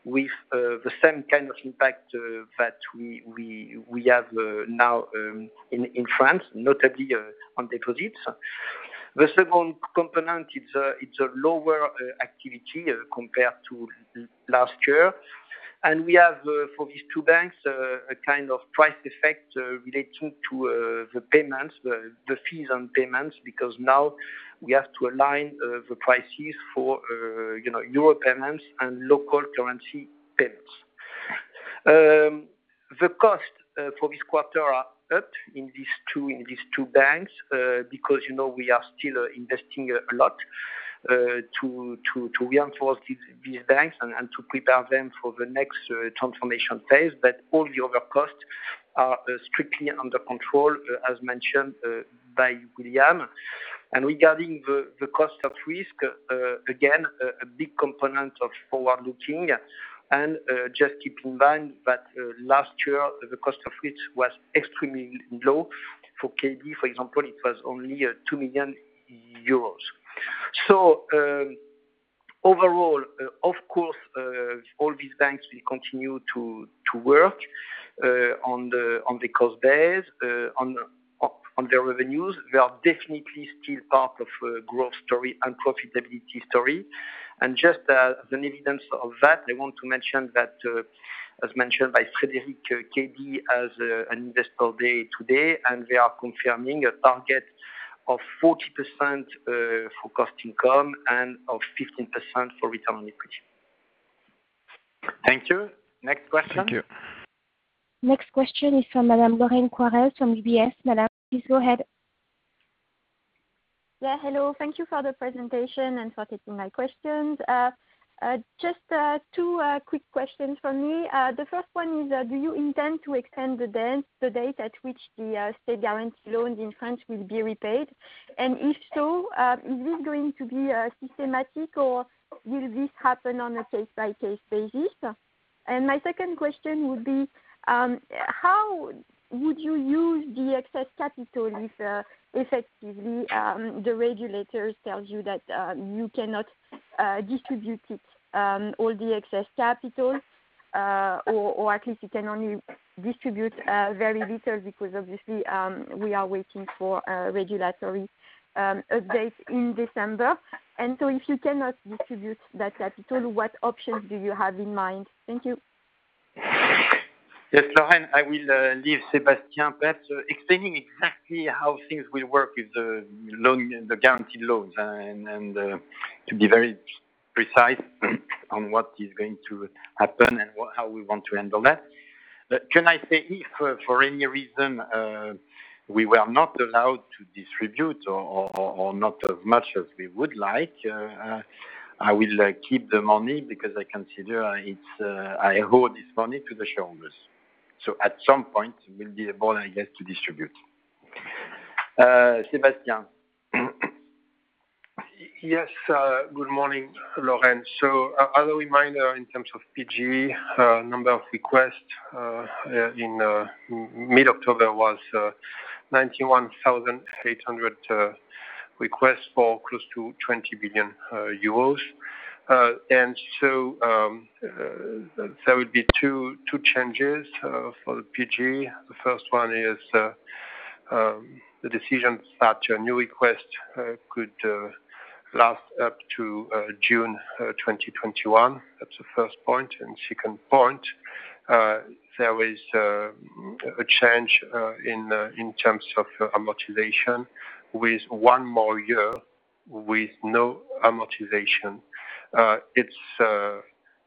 with the same kind of impact that we have now in France, notably on deposits. The second component, it's a lower activity compared to last year. We have for these two banks, a kind of price effect relating to the payments, the fees on payments, because now we have to align the prices for euro payments and local currency payments. The costs for this quarter are up in these two banks, because we are still investing a lot to reinforce these banks and to prepare them for the next transformation phase. All the other costs are strictly under control, as mentioned by William. Regarding the cost of risk, again, a big component of forward-looking, and just keep in mind that last year the cost of risk was extremely low. For KB, for example, it was only 2 million euros. Overall, of course, all these banks will continue to work on the cost base, on their revenues. They are definitely still part of growth story and profitability story. Just as an evidence of that, I want to mention that, as mentioned by Frédéric, KB has an investor day today, and they are confirming a target of 40% for cost income and of 15% for return on equity. Thank you. Next question. Thank you. Next question is from Madame Lorraine Quoirez from UBS. Madame, please go ahead. Yeah. Hello. Thank you for the presentation and for taking my questions. Just two quick questions from me. The first one is, do you intend to extend the date at which the state guarantee loans in France will be repaid? If so, is this going to be systematic or will this happen on a case-by-case basis? My second question would be, how would you use the excess capital if effectively the regulators tells you that you cannot distribute it all the excess capital, or at least you can only distribute very little because obviously, we are waiting for a regulatory update in December. If you cannot distribute that capital, what options do you have in mind? Thank you. Yes, Lorraine, I will leave Sébastien perhaps explaining exactly how things will work with the guaranteed loans and to be very precise on what is going to happen and how we want to handle that. Can I say if for any reason we were not allowed to distribute or not as much as we would like, I will keep the money because I consider I owe this money to the shareholders. At some point, we'll be able, I guess, to distribute. Sébastien. Yes, good morning, Lorraine. As a reminder, in terms of PGE, number of requests in mid-October was 91,800 requests for close to EUR 20 billion. There would be two changes for the PGE. The first one is the decision that a new request could last up to June 2021. That's the first point. Second point, there is a change in terms of amortization with one more year with no amortization.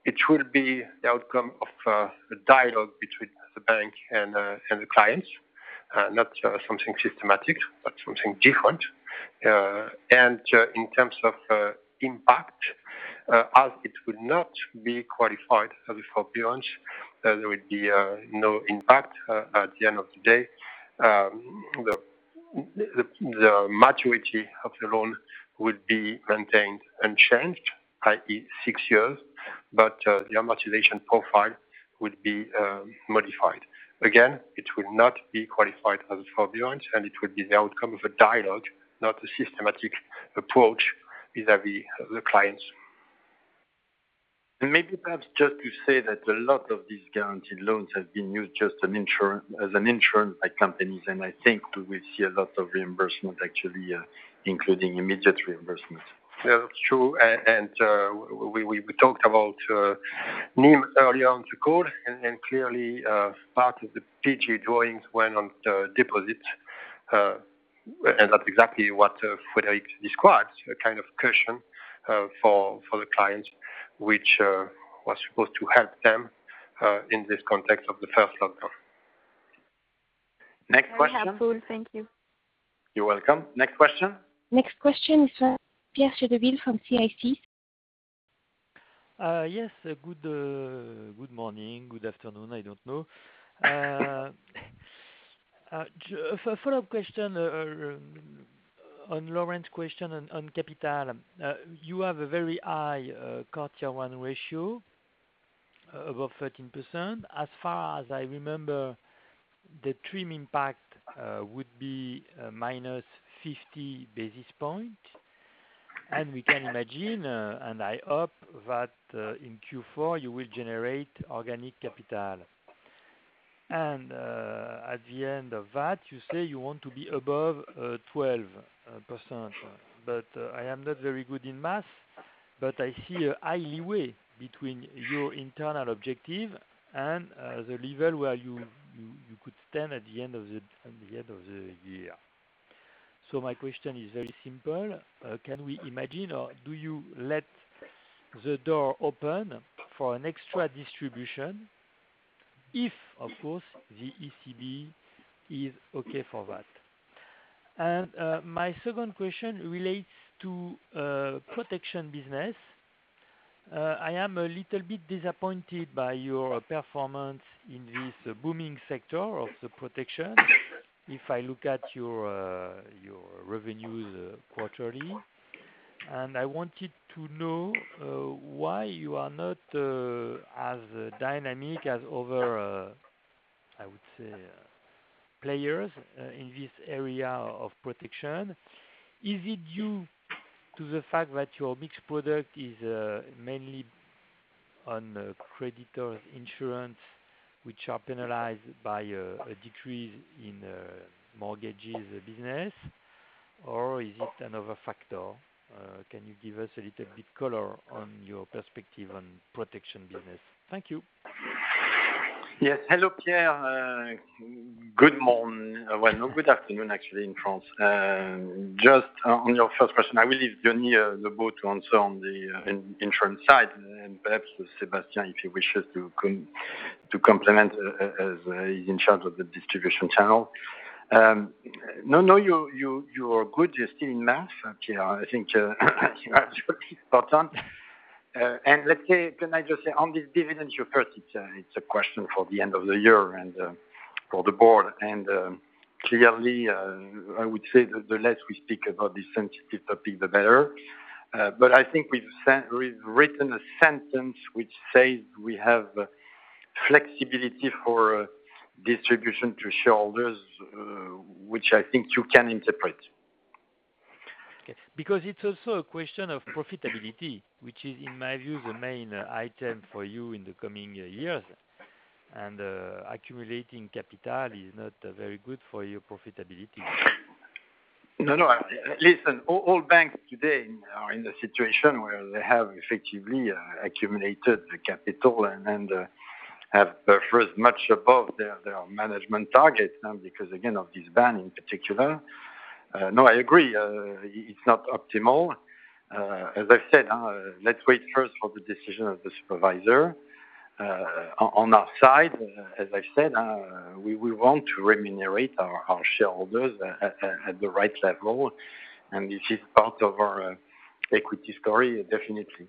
It will be the outcome of a dialogue between the bank and the clients, not something systematic, but something different. In terms of impact, as it would not be qualified as forbearance, there would be no impact at the end of the day. The maturity of the loan would be maintained unchanged, i.e., six years, but the amortization profile would be modified. Again, it will not be qualified as forbearance, and it will be the outcome of a dialogue, not a systematic approach vis-à-vis the clients. Maybe perhaps just to say that a lot of these guaranteed loans have been used just as an insurance by companies, and I think we will see a lot of reimbursement actually, including immediate reimbursement. Yeah, that's true. We talked about NIM earlier on the call, and clearly part of the PG drawings went on deposit. That's exactly what Frédéric described, a kind of cushion for the clients, which was supposed to help them in this context of the first lockdown. Next question. Very helpful. Thank you. You're welcome. Next question? Next question is Pierre Chedeville from CIC. Yes. Good morning. Good afternoon, I don't know. A follow-up question on Lorraine's question on capital. You have a very high CET1 ratio, above 13%. As far as I remember, the TRIM impact would be minus 50 basis points. We can imagine, and I hope that in Q4 you will generate organic capital. At the end of that, you say you want to be above 12%. I am not very good in math, but I see a high leeway between your internal objective and the level where you could stand at the end of the year. My question is very simple. Can we imagine, or do you let the door open for an extra distribution if, of course, the ECB is okay for that? My second question relates to protection business. I am a little bit disappointed by your performance in this booming sector of the protection if I look at your revenues quarterly. I wanted to know why you are not as dynamic as other, I would say, players in this area of protection. Is it due to the fact that your mixed product is mainly on creditor insurance, which are penalized by a decrease in mortgages business? Is it another factor? Can you give us a little bit color on your perspective on protection business? Thank you. Yes. Hello, Pierre. Good morning. Well, no, good afternoon, actually, in France. Just on your first question, I will leave Jenny Leboutte to answer on the insurance side, and perhaps with Sébastien, if he wishes to complement, as he's in charge of the distribution channel. No, no, you are good. You're still in math, Pierre. I think you are absolutely spot on. Let's say, can I just say on this dividend you approached, it's a question for the end of the year and for the board, and clearly, I would say that the less we speak about this sensitive topic, the better. I think we've written a sentence which says we have flexibility for distribution to shareholders, which I think you can interpret. Okay. It's also a question of profitability, which is, in my view, the main item for you in the coming years, and accumulating capital is not very good for your profitability. No, no. Listen, all banks today are in the situation where they have effectively accumulated the capital and have buffers much above their management targets now because, again, of this ban in particular. No, I agree. It's not optimal. As I've said, let's wait first for the decision of the supervisor. On our side, as I said, we want to remunerate our shareholders at the right level, and this is part of our equity story definitely.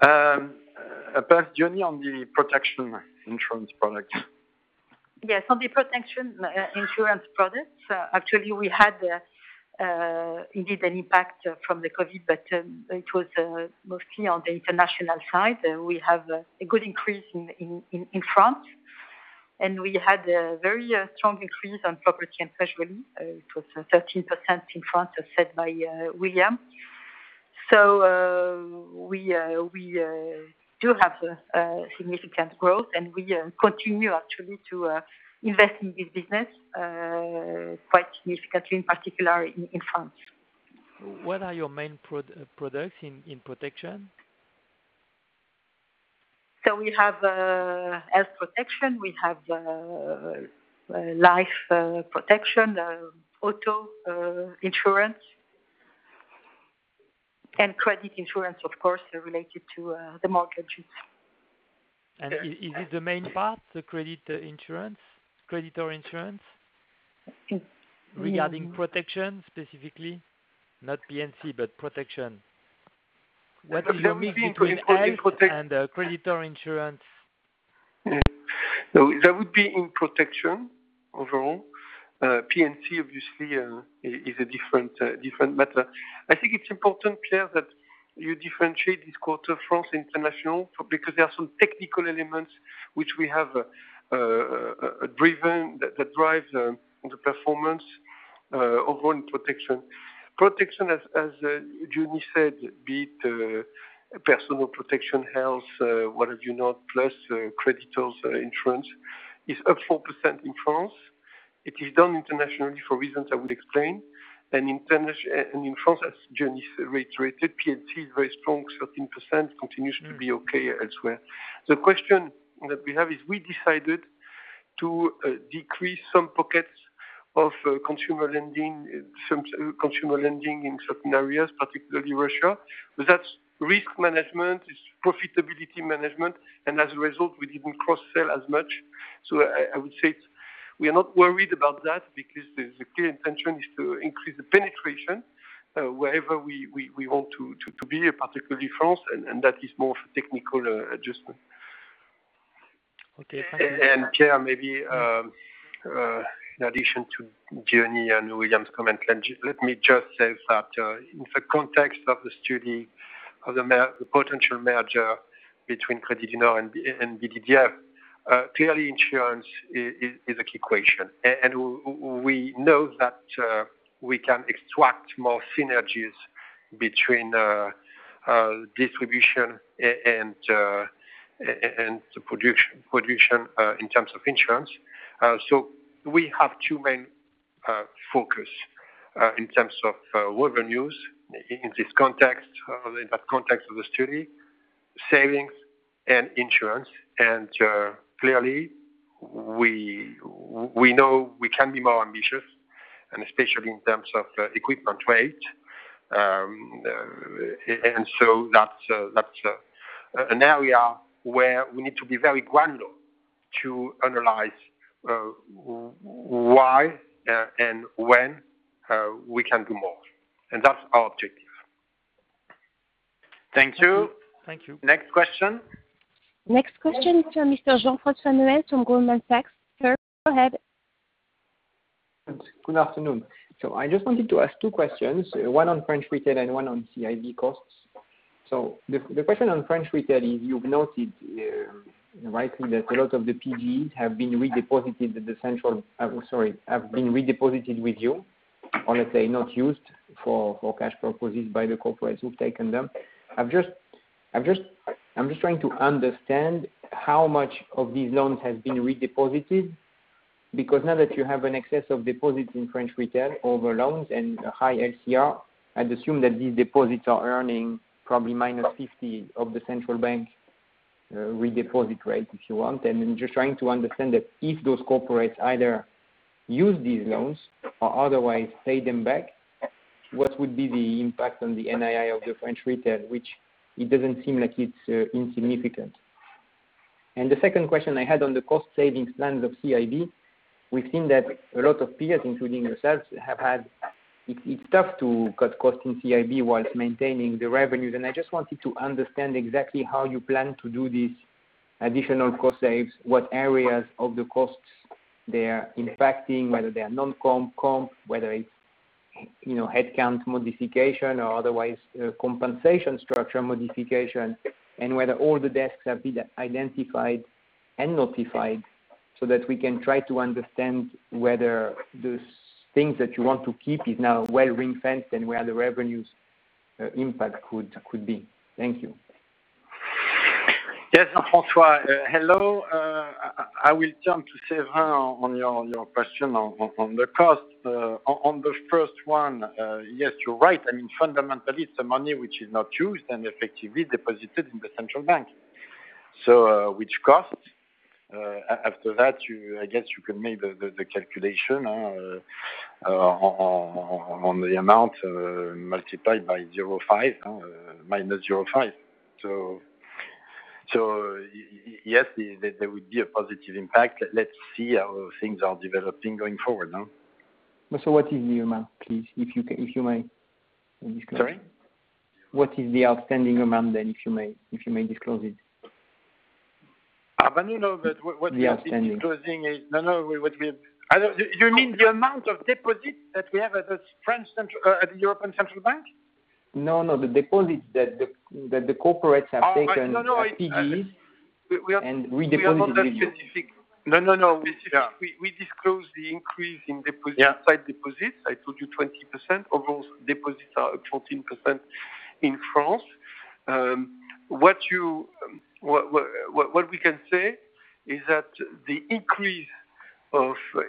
Perhaps Jenny, on the protection insurance product. Yes, on the protection insurance products, actually we had indeed an impact from the COVID, but it was mostly on the international side. We have a good increase in France. We had a very strong increase on property and casualty. It was 13% in France, as said by William. We do have significant growth, and we continue actually to invest in this business quite significantly, particularly in France. What are your main products in protection? We have health protection, we have life protection, auto insurance, and credit insurance, of course, related to the mortgages. Is this the main part, the creditor insurance? Regarding protection specifically, not P&C, but protection. What is the mix between health and creditor insurance? That would be in protection overall. P&C obviously is a different matter. I think it's important, Pierre, that you differentiate this quarter France International, because there are some technical elements which we have that drive the performance overall in protection. Protection, as Eugenie said, be it personal protection, health, what have you not, plus creditors insurance is up 4% in France. It is down internationally for reasons I will explain. In France, as Eugenie reiterated, P&C is very strong, 13%, continues to be okay elsewhere. The question that we have is we decided to decrease some pockets of consumer lending in certain areas, particularly Russia. That's risk management, it's profitability management, and as a result, we didn't cross-sell as much. I would say we are not worried about that because the clear intention is to increase the penetration wherever we want to be, particularly France, and that is more of a technical adjustment. Okay. Pierre, maybe in addition to Eugenie and William's comment, let me just say that in the context of the study of the potential merger between Crédit Agricole and BDDF, clearly insurance is a key equation. We know that we can extract more synergies between distribution and the production in terms of insurance. We have two main focus in terms of world revenues in this context, in that context of the study, savings and insurance. Clearly, we know we can be more ambitious, and especially in terms of equipment weight. That's an area where we need to be very granular to analyze why and when we can do more. That's our objective. Thank you. Thank you. Next question. Next question to Mr. Jean-François Neuez from Goldman Sachs. Sir, go ahead. Good afternoon. I just wanted to ask two questions, one on French retail and one on CIB costs. The question on French retail is you've noted rightly that a lot of the PGE have been redeposited with you, or let's say not used for cash purposes by the corporates who've taken them. I'm just trying to understand how much of these loans has been redeposited, because now that you have an excess of deposits in French retail over loans and a high LCR, I'd assume that these deposits are earning probably -50 of the central bank redeposit rate, if you want. I'm just trying to understand that if those corporates either use these loans or otherwise pay them back, what would be the impact on the NII of the French retail, which it doesn't seem like it's insignificant. The second question I had on the cost savings plans of CIB, we've seen that a lot of peers, including yourselves, it's tough to cut costs in CIB while maintaining the revenues. I just wanted to understand exactly how you plan to do these additional cost saves, what areas of the costs they are impacting, Whether they are non-comp, comp, whether it's headcount modification or otherwise compensation structure modification, and whether all the desks have been identified and notified so that we can try to understand whether those things that you want to keep is now well-ring-fenced and where the revenues impact could be. Thank you. Yes, Jean-François. Hello. I will turn to Séverin on your question on the cost. On the first one, yes, you are right. Fundamentally, it is the money which is not used and effectively deposited in the central bank. Which costs, after that, I guess you can make the calculation on the amount multiplied by -0.5. Yes, there would be a positive impact. Let us see how things are developing going forward. What is the amount, please, if you may disclose? Sorry. What is the outstanding amount then, if you may disclose it? You know that what we are disclosing is. The outstanding. No, no. You mean the amount of deposits that we have at the European Central Bank? No, the deposits that the corporates have taken- No PGEs and redeposited them. We are not that specific. No, we disclose the increase in deposit- Yeah site deposits. I told you 20% of those deposits are 14% in France. What we can say is that the increase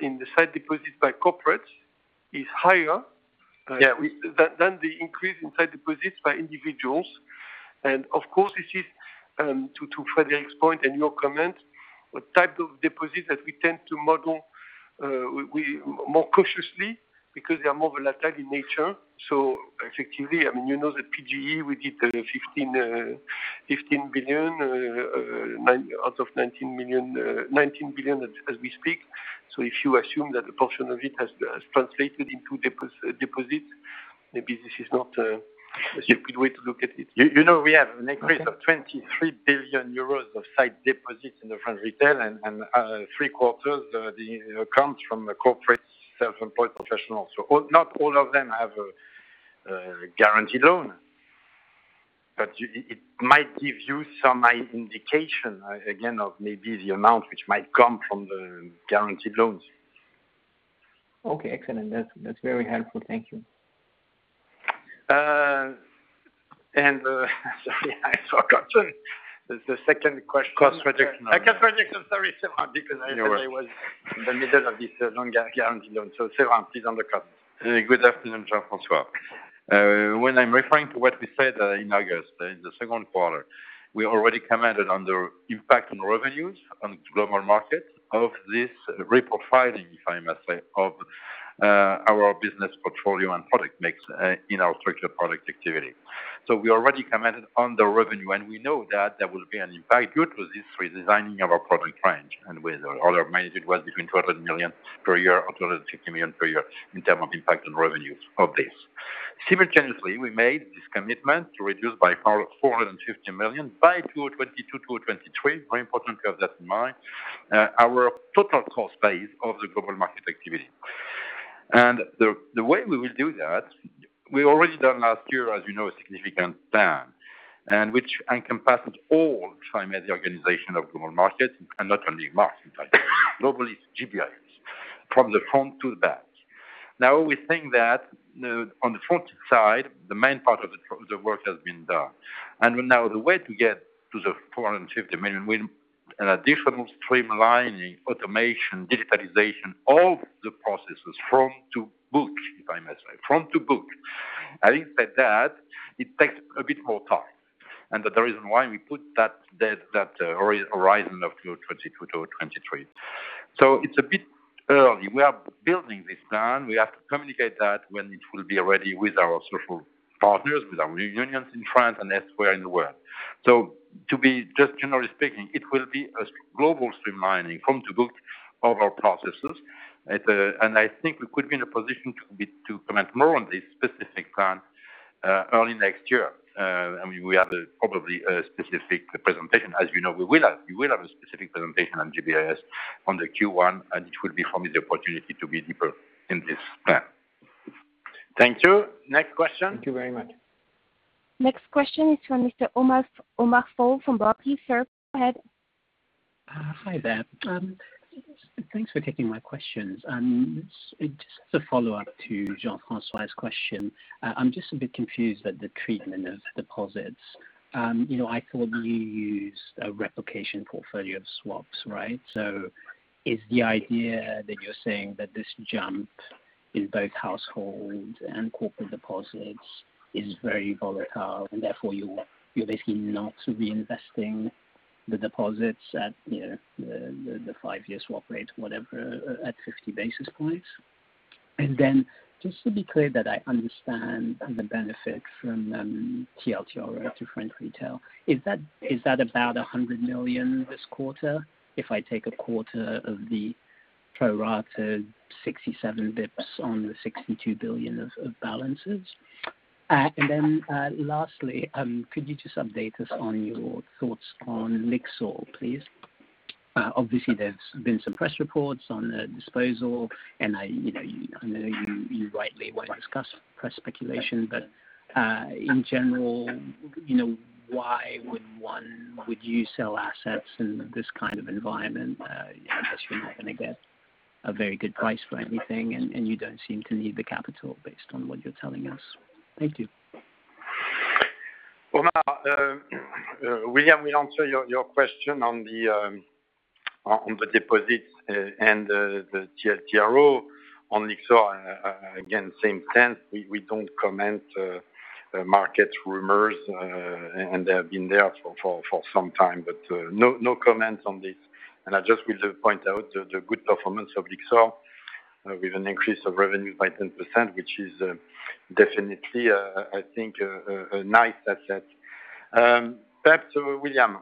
in the site deposits by corporates is higher- Yeah than the increase in site deposits by individuals. Of course, this is, to Frédéric's point and your comment, a type of deposit that we tend to model more cautiously because they are more volatile in nature. Effectively, you know that PGE, we did 15 billion out of 19 billion as we speak. If you assume that a portion of it has translated into deposits, maybe this is not a good way to look at it. You know we have an increase of 23 billion euros of sight deposits in the French Retail and three quarters comes from the corporate self-employed professionals. Not all of them have a guaranteed loan. It might give you some indication, again, of maybe the amount which might come from the guaranteed loans. Okay, excellent. That is very helpful. Thank you. Sorry, I saw Quention. The second question. Cost reduction. Cost reduction. Sorry, Séverin, because I said I was in the middle of this long guaranteed loan. Séverin, please on the cost. Good afternoon, Jean-François. When I'm referring to what we said in August, in the second quarter, we already commented on the impact on revenues on Global Markets of this reprofiling, if I must say, of our business portfolio and product mix in our structured product activity. We already commented on the revenue, and we know that there will be an impact due to this redesigning of our product range. With all our management was between 200 million per year, or 250 million per year in terms of impact on revenues of this. Simultaneously, we made this commitment to reduce by 450 million by 2022, 2023, very important to have that in mind, our total cost base of the Global Markets activity. The way we will do that, we already done last year, as you know, a significant plan, which encompasses all private organization of global markets, and not only markets, globally, GBIS, from the front to the back. We think that on the front side, the main part of the work has been done. Now the way to get to the 450 million with additional streamlining, automation, digitalization, all the processes from to book, if I may say. Front to book. Having said that, it takes a bit more time. The reason why we put that horizon of 2022 or 2023. It's a bit early. We are building this plan. We have to communicate that when it will be ready with our social partners, with our unions in France and elsewhere in the world. To be just generally speaking, it will be a global streamlining front to book of our processes. I think we could be in a position to comment more on this specific plan early next year. We have probably a specific presentation. You know, we will have a specific presentation on GBS on the Q1, it will be for me the opportunity to be deeper in this plan. Thank you. Next question. Thank you very much. Next question is from Mr. Omar Fall from Barclays. Sir, go ahead. Hi there. Thanks for taking my questions. Just as a follow-up to Jean-François's question. I'm just a bit confused at the treatment of deposits. I thought you used a replication portfolio of swaps, right? Is the idea that you're saying that this jump in both household and corporate deposits is very volatile, and therefore you're basically not reinvesting the deposits at the five-year swap rate, whatever, at 50 basis points? Just to be clear that I understand the benefit from TLTRO to French retail, is that about 100 million this quarter, if I take a quarter of the prorated 67 basis points on the 62 billion of balances? Lastly, could you just update us on your thoughts on Lyxor, please? Obviously, there's been some press reports on the disposal, and I know you rightly won't discuss press speculation, but, in general, why would you sell assets in this kind of environment? I guess you're not going to get a very good price for anything, and you don't seem to need the capital based on what you're telling us. Thank you. Omar, William will answer your question on the deposits and the TLTRO. On Lyxor, again, same sense. We don't comment market rumors, and they have been there for some time, but no comments on this. I just will point out the good performance of Lyxor with an increase of revenue by 10%, which is definitely, I think, a nice asset. Back to William.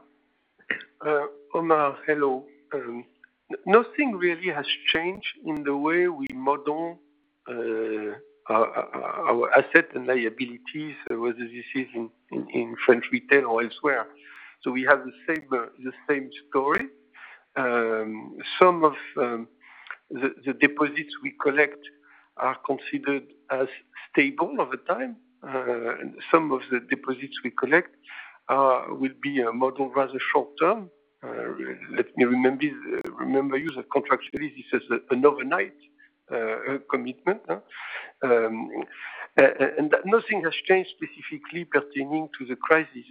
Omar, hello. Nothing really has changed in the way we model our asset and liabilities, whether this is in French retail or elsewhere. We have the same story. Some of the deposits we collect are considered as stable over time. Some of the deposits we collect will be a model rather short-term. Let me remember you that contractually this is an overnight commitment. Nothing has changed specifically pertaining to the crisis.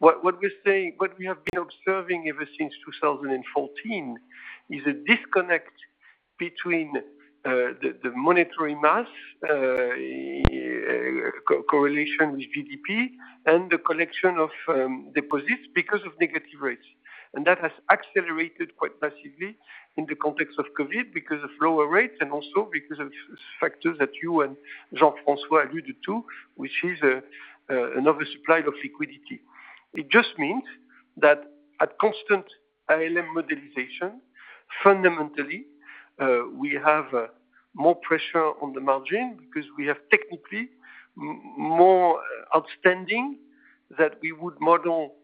What we have been observing ever since 2014 is a disconnect between the monetary mass correlation with GDP and the collection of deposits because of negative rates. That has accelerated quite massively in the context of COVID because of lower rates and also because of factors that you and Jean-François alluded to, which is another supply of liquidity. It just means that at constant ALM modelization, fundamentally, we have more pressure on the margin because we have technically more outstanding that we would model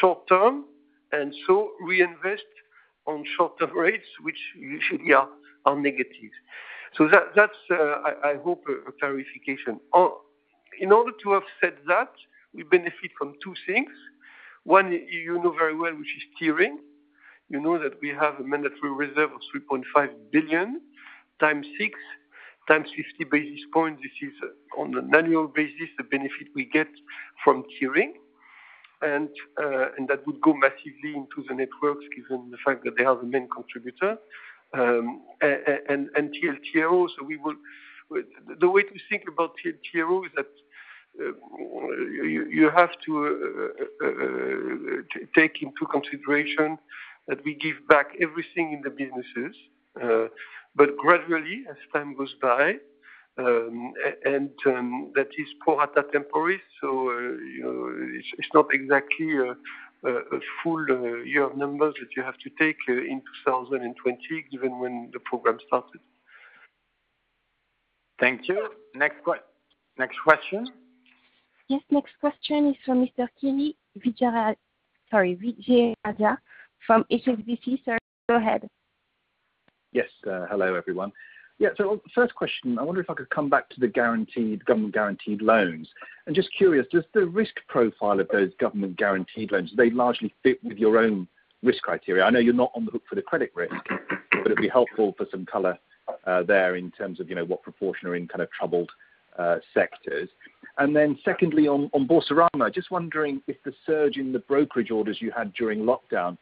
short-term, reinvest on short-term rates, which usually are negative. That's, I hope, a clarification. In order to have said that, we benefit from two things. One, you know very well, which is tiering. You know that we have a mandatory reserve of 3.5 billion, times six, times 50 basis points. This is on an annual basis, the benefit we get from tiering. That would go massively into the networks given the fact that they are the main contributor. TLTRO, the way to think about TLTRO is that you have to take into consideration that we give back everything in the businesses, but gradually as time goes by, and that is pro rata temporis, so it is not exactly a full year of numbers that you have to take in 2020, given when the program started. Thank you. Next question. Yes, next question is from Mr. Kiri Vijayarajah from HSBC. Sir, go ahead. Yes. Hello, everyone. First question, I wonder if I could come back to the government-guaranteed loans. Just curious, does the risk profile of those government-guaranteed loans, do they largely fit with your own risk criteria? I know you're not on the hook for the credit risk, but it'd be helpful for some color there in terms of what proportion are in troubled sectors. Secondly, on Boursorama, just wondering if the surge in the brokerage orders you had during lockdown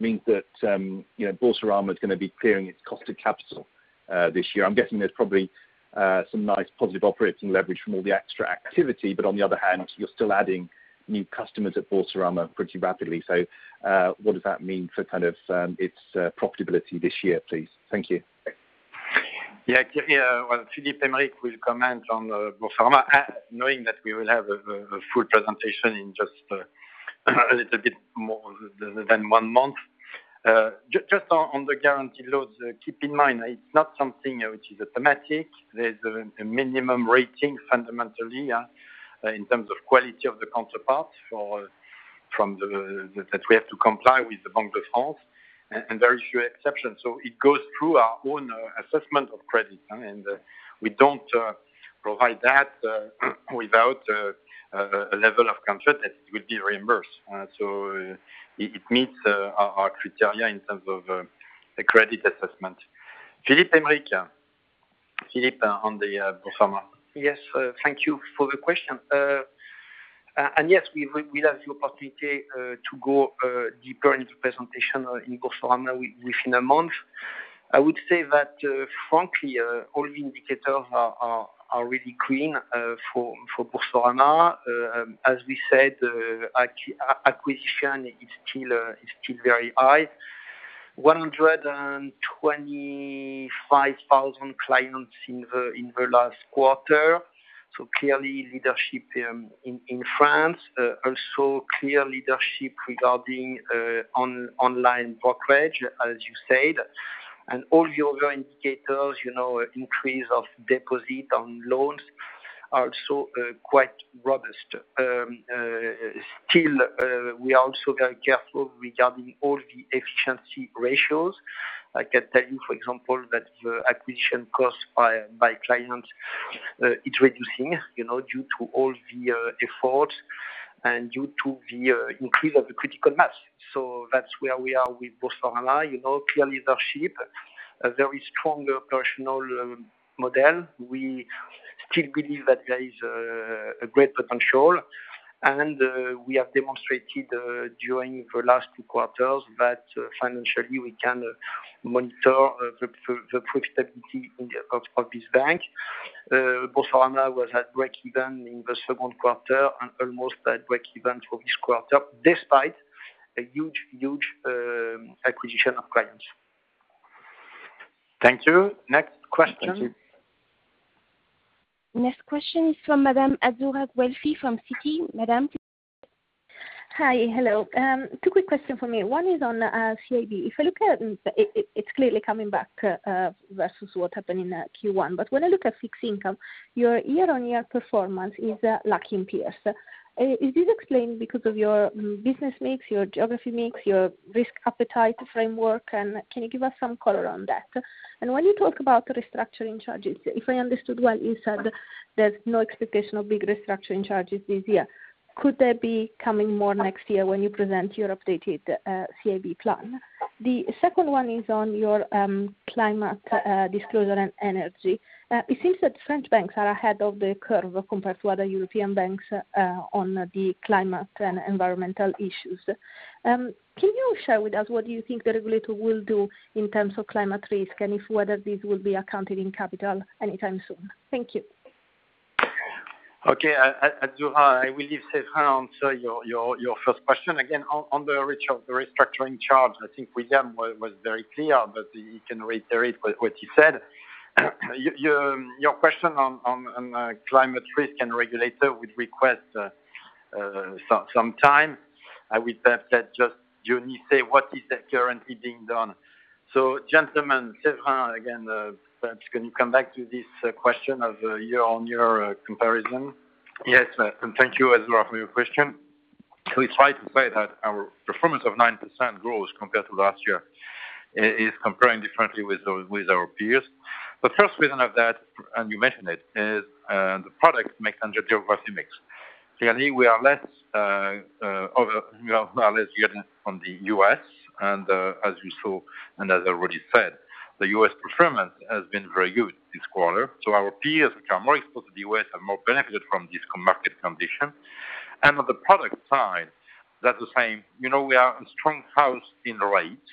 means that Boursorama is going to be clearing its cost of capital this year. I'm guessing there's probably some nice positive operating leverage from all the extra activity. On the other hand, you're still adding new customers at Boursorama pretty rapidly. What does that mean for its profitability this year, please? Thank you. Yeah, Kenny, well, Philippe Aymerich will comment on Boursorama, knowing that we will have a full presentation in just a little bit more than one month. Just on the guaranteed loans, keep in mind, it's not something which is automatic. There's a minimum rating fundamentally in terms of quality of the counterpart that we have to comply with the Banque de France, and very few exceptions. It goes through our own assessment of credit. We don't provide that without a level of comfort that it will be reimbursed. It meets our criteria in terms of the credit assessment. Philippe Aymerich. Philippe on the Boursorama. Yes. Thank you for the question. Yes, we'll have the opportunity to go deeper into presentation in Boursorama within a month. I would say that, frankly, all the indicators are really green for Boursorama. As we said, acquisition is still very high. 125,000 clients in the last quarter. Clearly leadership in France. Also clear leadership regarding online brokerage, as you said. All the other indicators, increase of deposit on loans, are also quite robust. Still, we are also very careful regarding all the efficiency ratios. I can tell you, for example, that the acquisition cost by client, it's reducing, due to all the effort and due to the increase of the critical mass. That's where we are with Boursorama, clear leadership, a very strong operational model. We still believe that there is a great potential. We have demonstrated during the last two quarters that financially, we can monitor the profitability of this bank. Boursorama was at breakeven in the second quarter and almost at breakeven for this quarter, despite a huge acquisition of clients. Thank you. Next question. Next question is from Madame Azzurra Guelfi from Citi. Madame. Hi. Hello. Two quick question from me. One is on CIB. It's clearly coming back versus what happened in Q1. When I look at fixed income, your year-on-year performance is lacking peers. Is this explained because of your business mix, your geography mix, your risk appetite framework, and can you give us some color on that? When you talk about restructuring charges, if I understood well, you said there's no expectation of big restructuring charges this year. Could there be coming more next year when you present your updated CIB plan? The second one is on your climate disclosure and energy. It seems that French banks are ahead of the curve compared to other European banks on the climate and environmental issues. Can you share with us what you think the regulator will do in terms of climate risk, and if whether this will be accounted in capital anytime soon? Thank you. Okay. Azzurra, I will leave Séverin answer your first question. On the reach of the restructuring charge, I think William was very clear, but he can reiterate what he said. Your question on climate risk and regulator would request some time. I would let just Jenny what is currently being done. Gentlemen, Séverin again, perhaps can you come back to this question of year-on-year comparison? Yes. Thank you, Azzurra, for your question. We try to say that our performance of 9% growth compared to last year is comparing differently with our peers. The first reason of that, and you mentioned it, is the product mix and geography mix. Clearly, we are less geared on the U.S. and as you saw, and as I already said, the U.S. performance has been very good this quarter. Our peers, which are more exposed to the U.S., have more benefited from this market condition. On the product side, that's the same. We are a strong house in rates,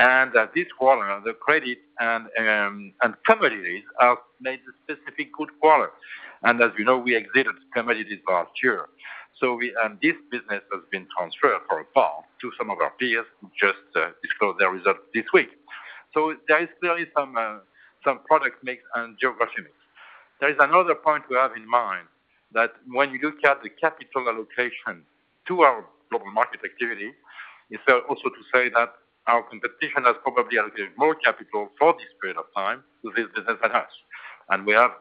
and this quarter, the credit and commodities have made a specific good quarter. As you know, we exited commodities last year. This business has been transferred for a part to some of our peers who just disclosed their results this week. There is clearly some product mix and geography mix. There is another point we have in mind that when you look at the capital allocation to our global market activity, is also to say that our competition has probably allocated more capital for this period of time to this business than us. We have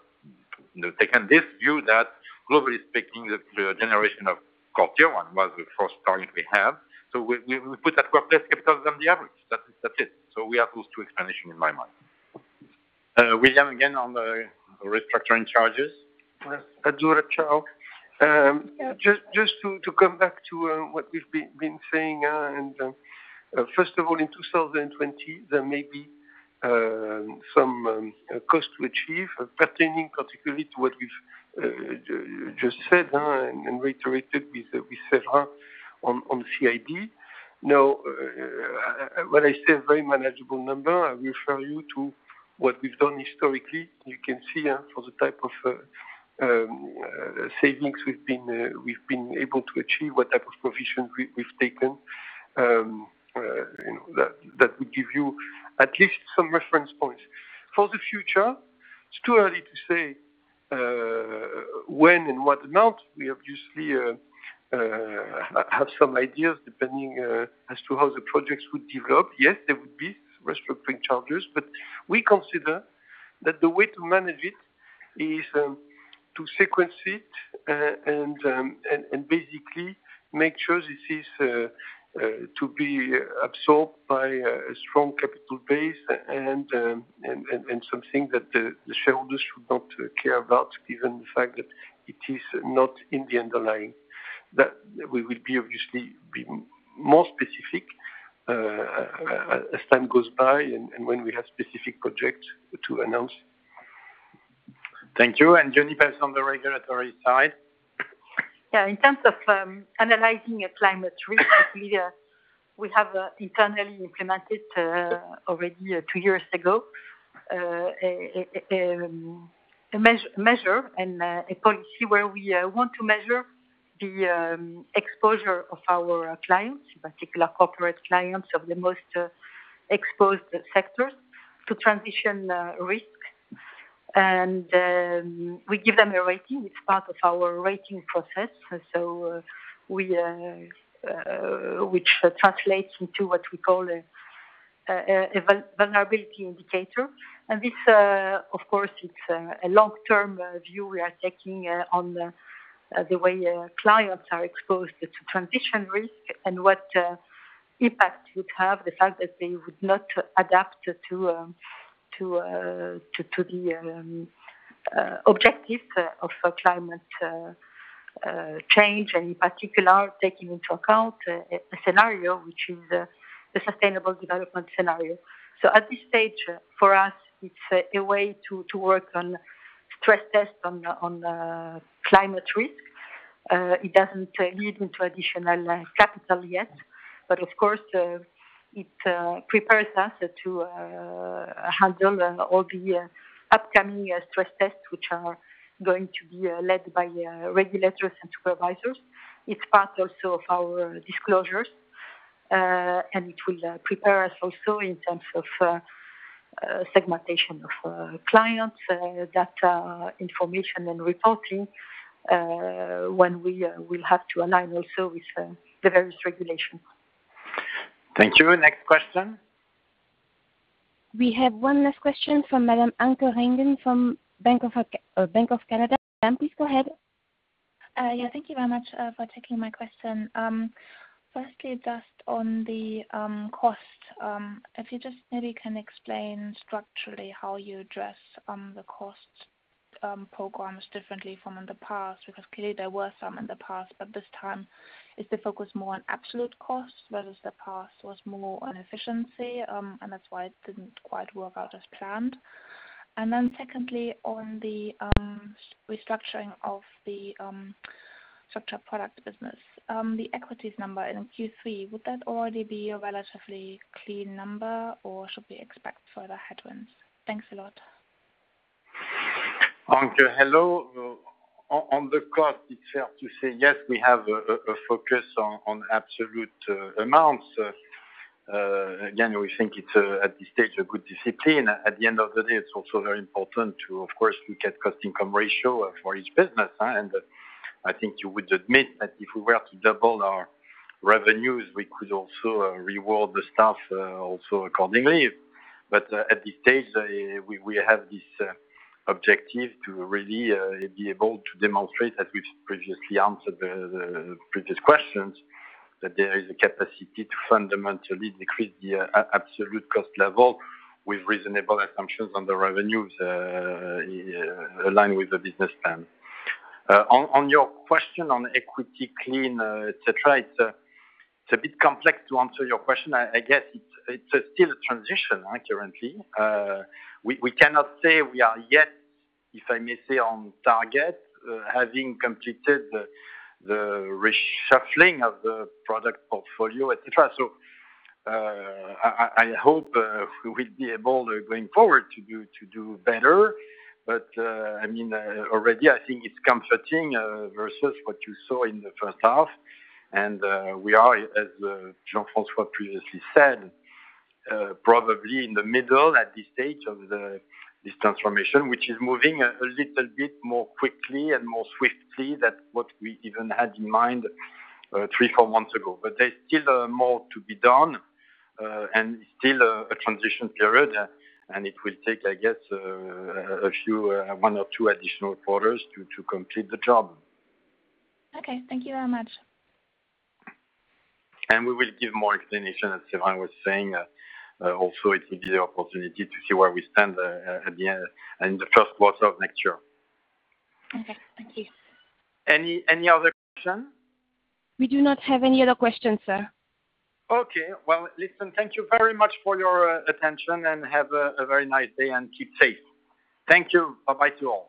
taken this view that globally speaking, the generation of Q1 was the first target we have. We put adequate capital than the average. That's it. We have those two explanations in my mind. William, again, on the restructuring charges. Azzurra, ciao. Just to come back to what we've been saying. First of all, in 2020, there may be some cost to achieve pertaining particularly to what we've just said and reiterated with Séverin on CIB. When I say a very manageable number, I refer you to what we've done historically. You can see for the type of savings we've been able to achieve, what type of provisions we've taken, that would give you at least some reference points. For the future, it's too early to say when and what amount. We obviously have some ideas depending as to how the projects would develop. Yes, there would be restructuring charges, but we consider that the way to manage it is to sequence it, and basically make sure this is to be absorbed by a strong capital base and something that the shareholders should not care about, given the fact that it is not in the underlying. We will obviously be more specific as time goes by and when we have specific projects to announce. Thank you. Jennifer, on the regulatory side. Yeah. In terms of analyzing a climate risk, we have internally implemented already two years ago, a measure and a policy where we want to measure the exposure of our clients, in particular corporate clients of the most exposed sectors to transition risk. We give them a rating. It's part of our rating process, which translates into what we call a vulnerability indicator. This, of course, it's a long-term view we are taking on the way clients are exposed to transition risk and what impact it would have, the fact that they would not adapt to the objective of climate change, and in particular, taking into account a scenario which is the sustainable development scenario. At this stage, for us, it's a way to work on stress test on climate risk. It doesn't lead into additional capital yet, but of course it prepares us to handle all the upcoming stress tests, which are going to be led by regulators and supervisors. It's part also of our disclosures. It will prepare us also in terms of segmentation of clients, data information, and reporting, when we will have to align also with the various regulations. Thank you. Next question. We have one last question from Madame Anke Reingen from RBC Capital Markets. Ma'am, please go ahead. Yeah. Thank you very much for taking my question. Just on the cost, if you just maybe can explain structurally how you address the cost programs differently from in the past, because clearly there were some in the past, but this time is the focus more on absolute cost, whereas the past was more on efficiency, and that's why it didn't quite work out as planned. Secondly, on the restructuring of the structured product business, the equities number in Q3, would that already be a relatively clean number or should we expect further headwinds? Thanks a lot. Anke, hello. On the cost, it's fair to say yes, we have a focus on absolute amounts. Again, we think it's at this stage a good discipline. At the end of the day, it's also very important to, of course, look at cost-income ratio for each business. I think you would admit that if we were to double our revenues, we could also reward the staff also accordingly. At this stage, we have this objective to really be able to demonstrate, as we've previously answered the previous questions, that there is a capacity to fundamentally decrease the absolute cost level with reasonable assumptions on the revenues in line with the business plan. On your question on equity clean, et cetera, it's a bit complex to answer your question. I guess it's still a transition currently. We cannot say we are yet, if I may say, on target, having completed the reshuffling of the product portfolio, et cetera. I hope we will be able, going forward, to do better. Already I think it's comforting versus what you saw in the first half. We are, as Jean-François previously said, probably in the middle at this stage of this transformation, which is moving a little bit more quickly and more swiftly than what we even had in mind three, four months ago. There's still more to be done, and still a transition period, and it will take, I guess, one or two additional quarters to complete the job. Okay. Thank you very much. We will give more explanation, as Séverin was saying. It will be the opportunity to see where we stand at the end, in the first quarter of next year. Okay. Thank you. Any other question? We do not have any other questions, sir. Okay. Well, listen, thank you very much for your attention. Have a very nice day and keep safe. Thank you. Bye-bye to all.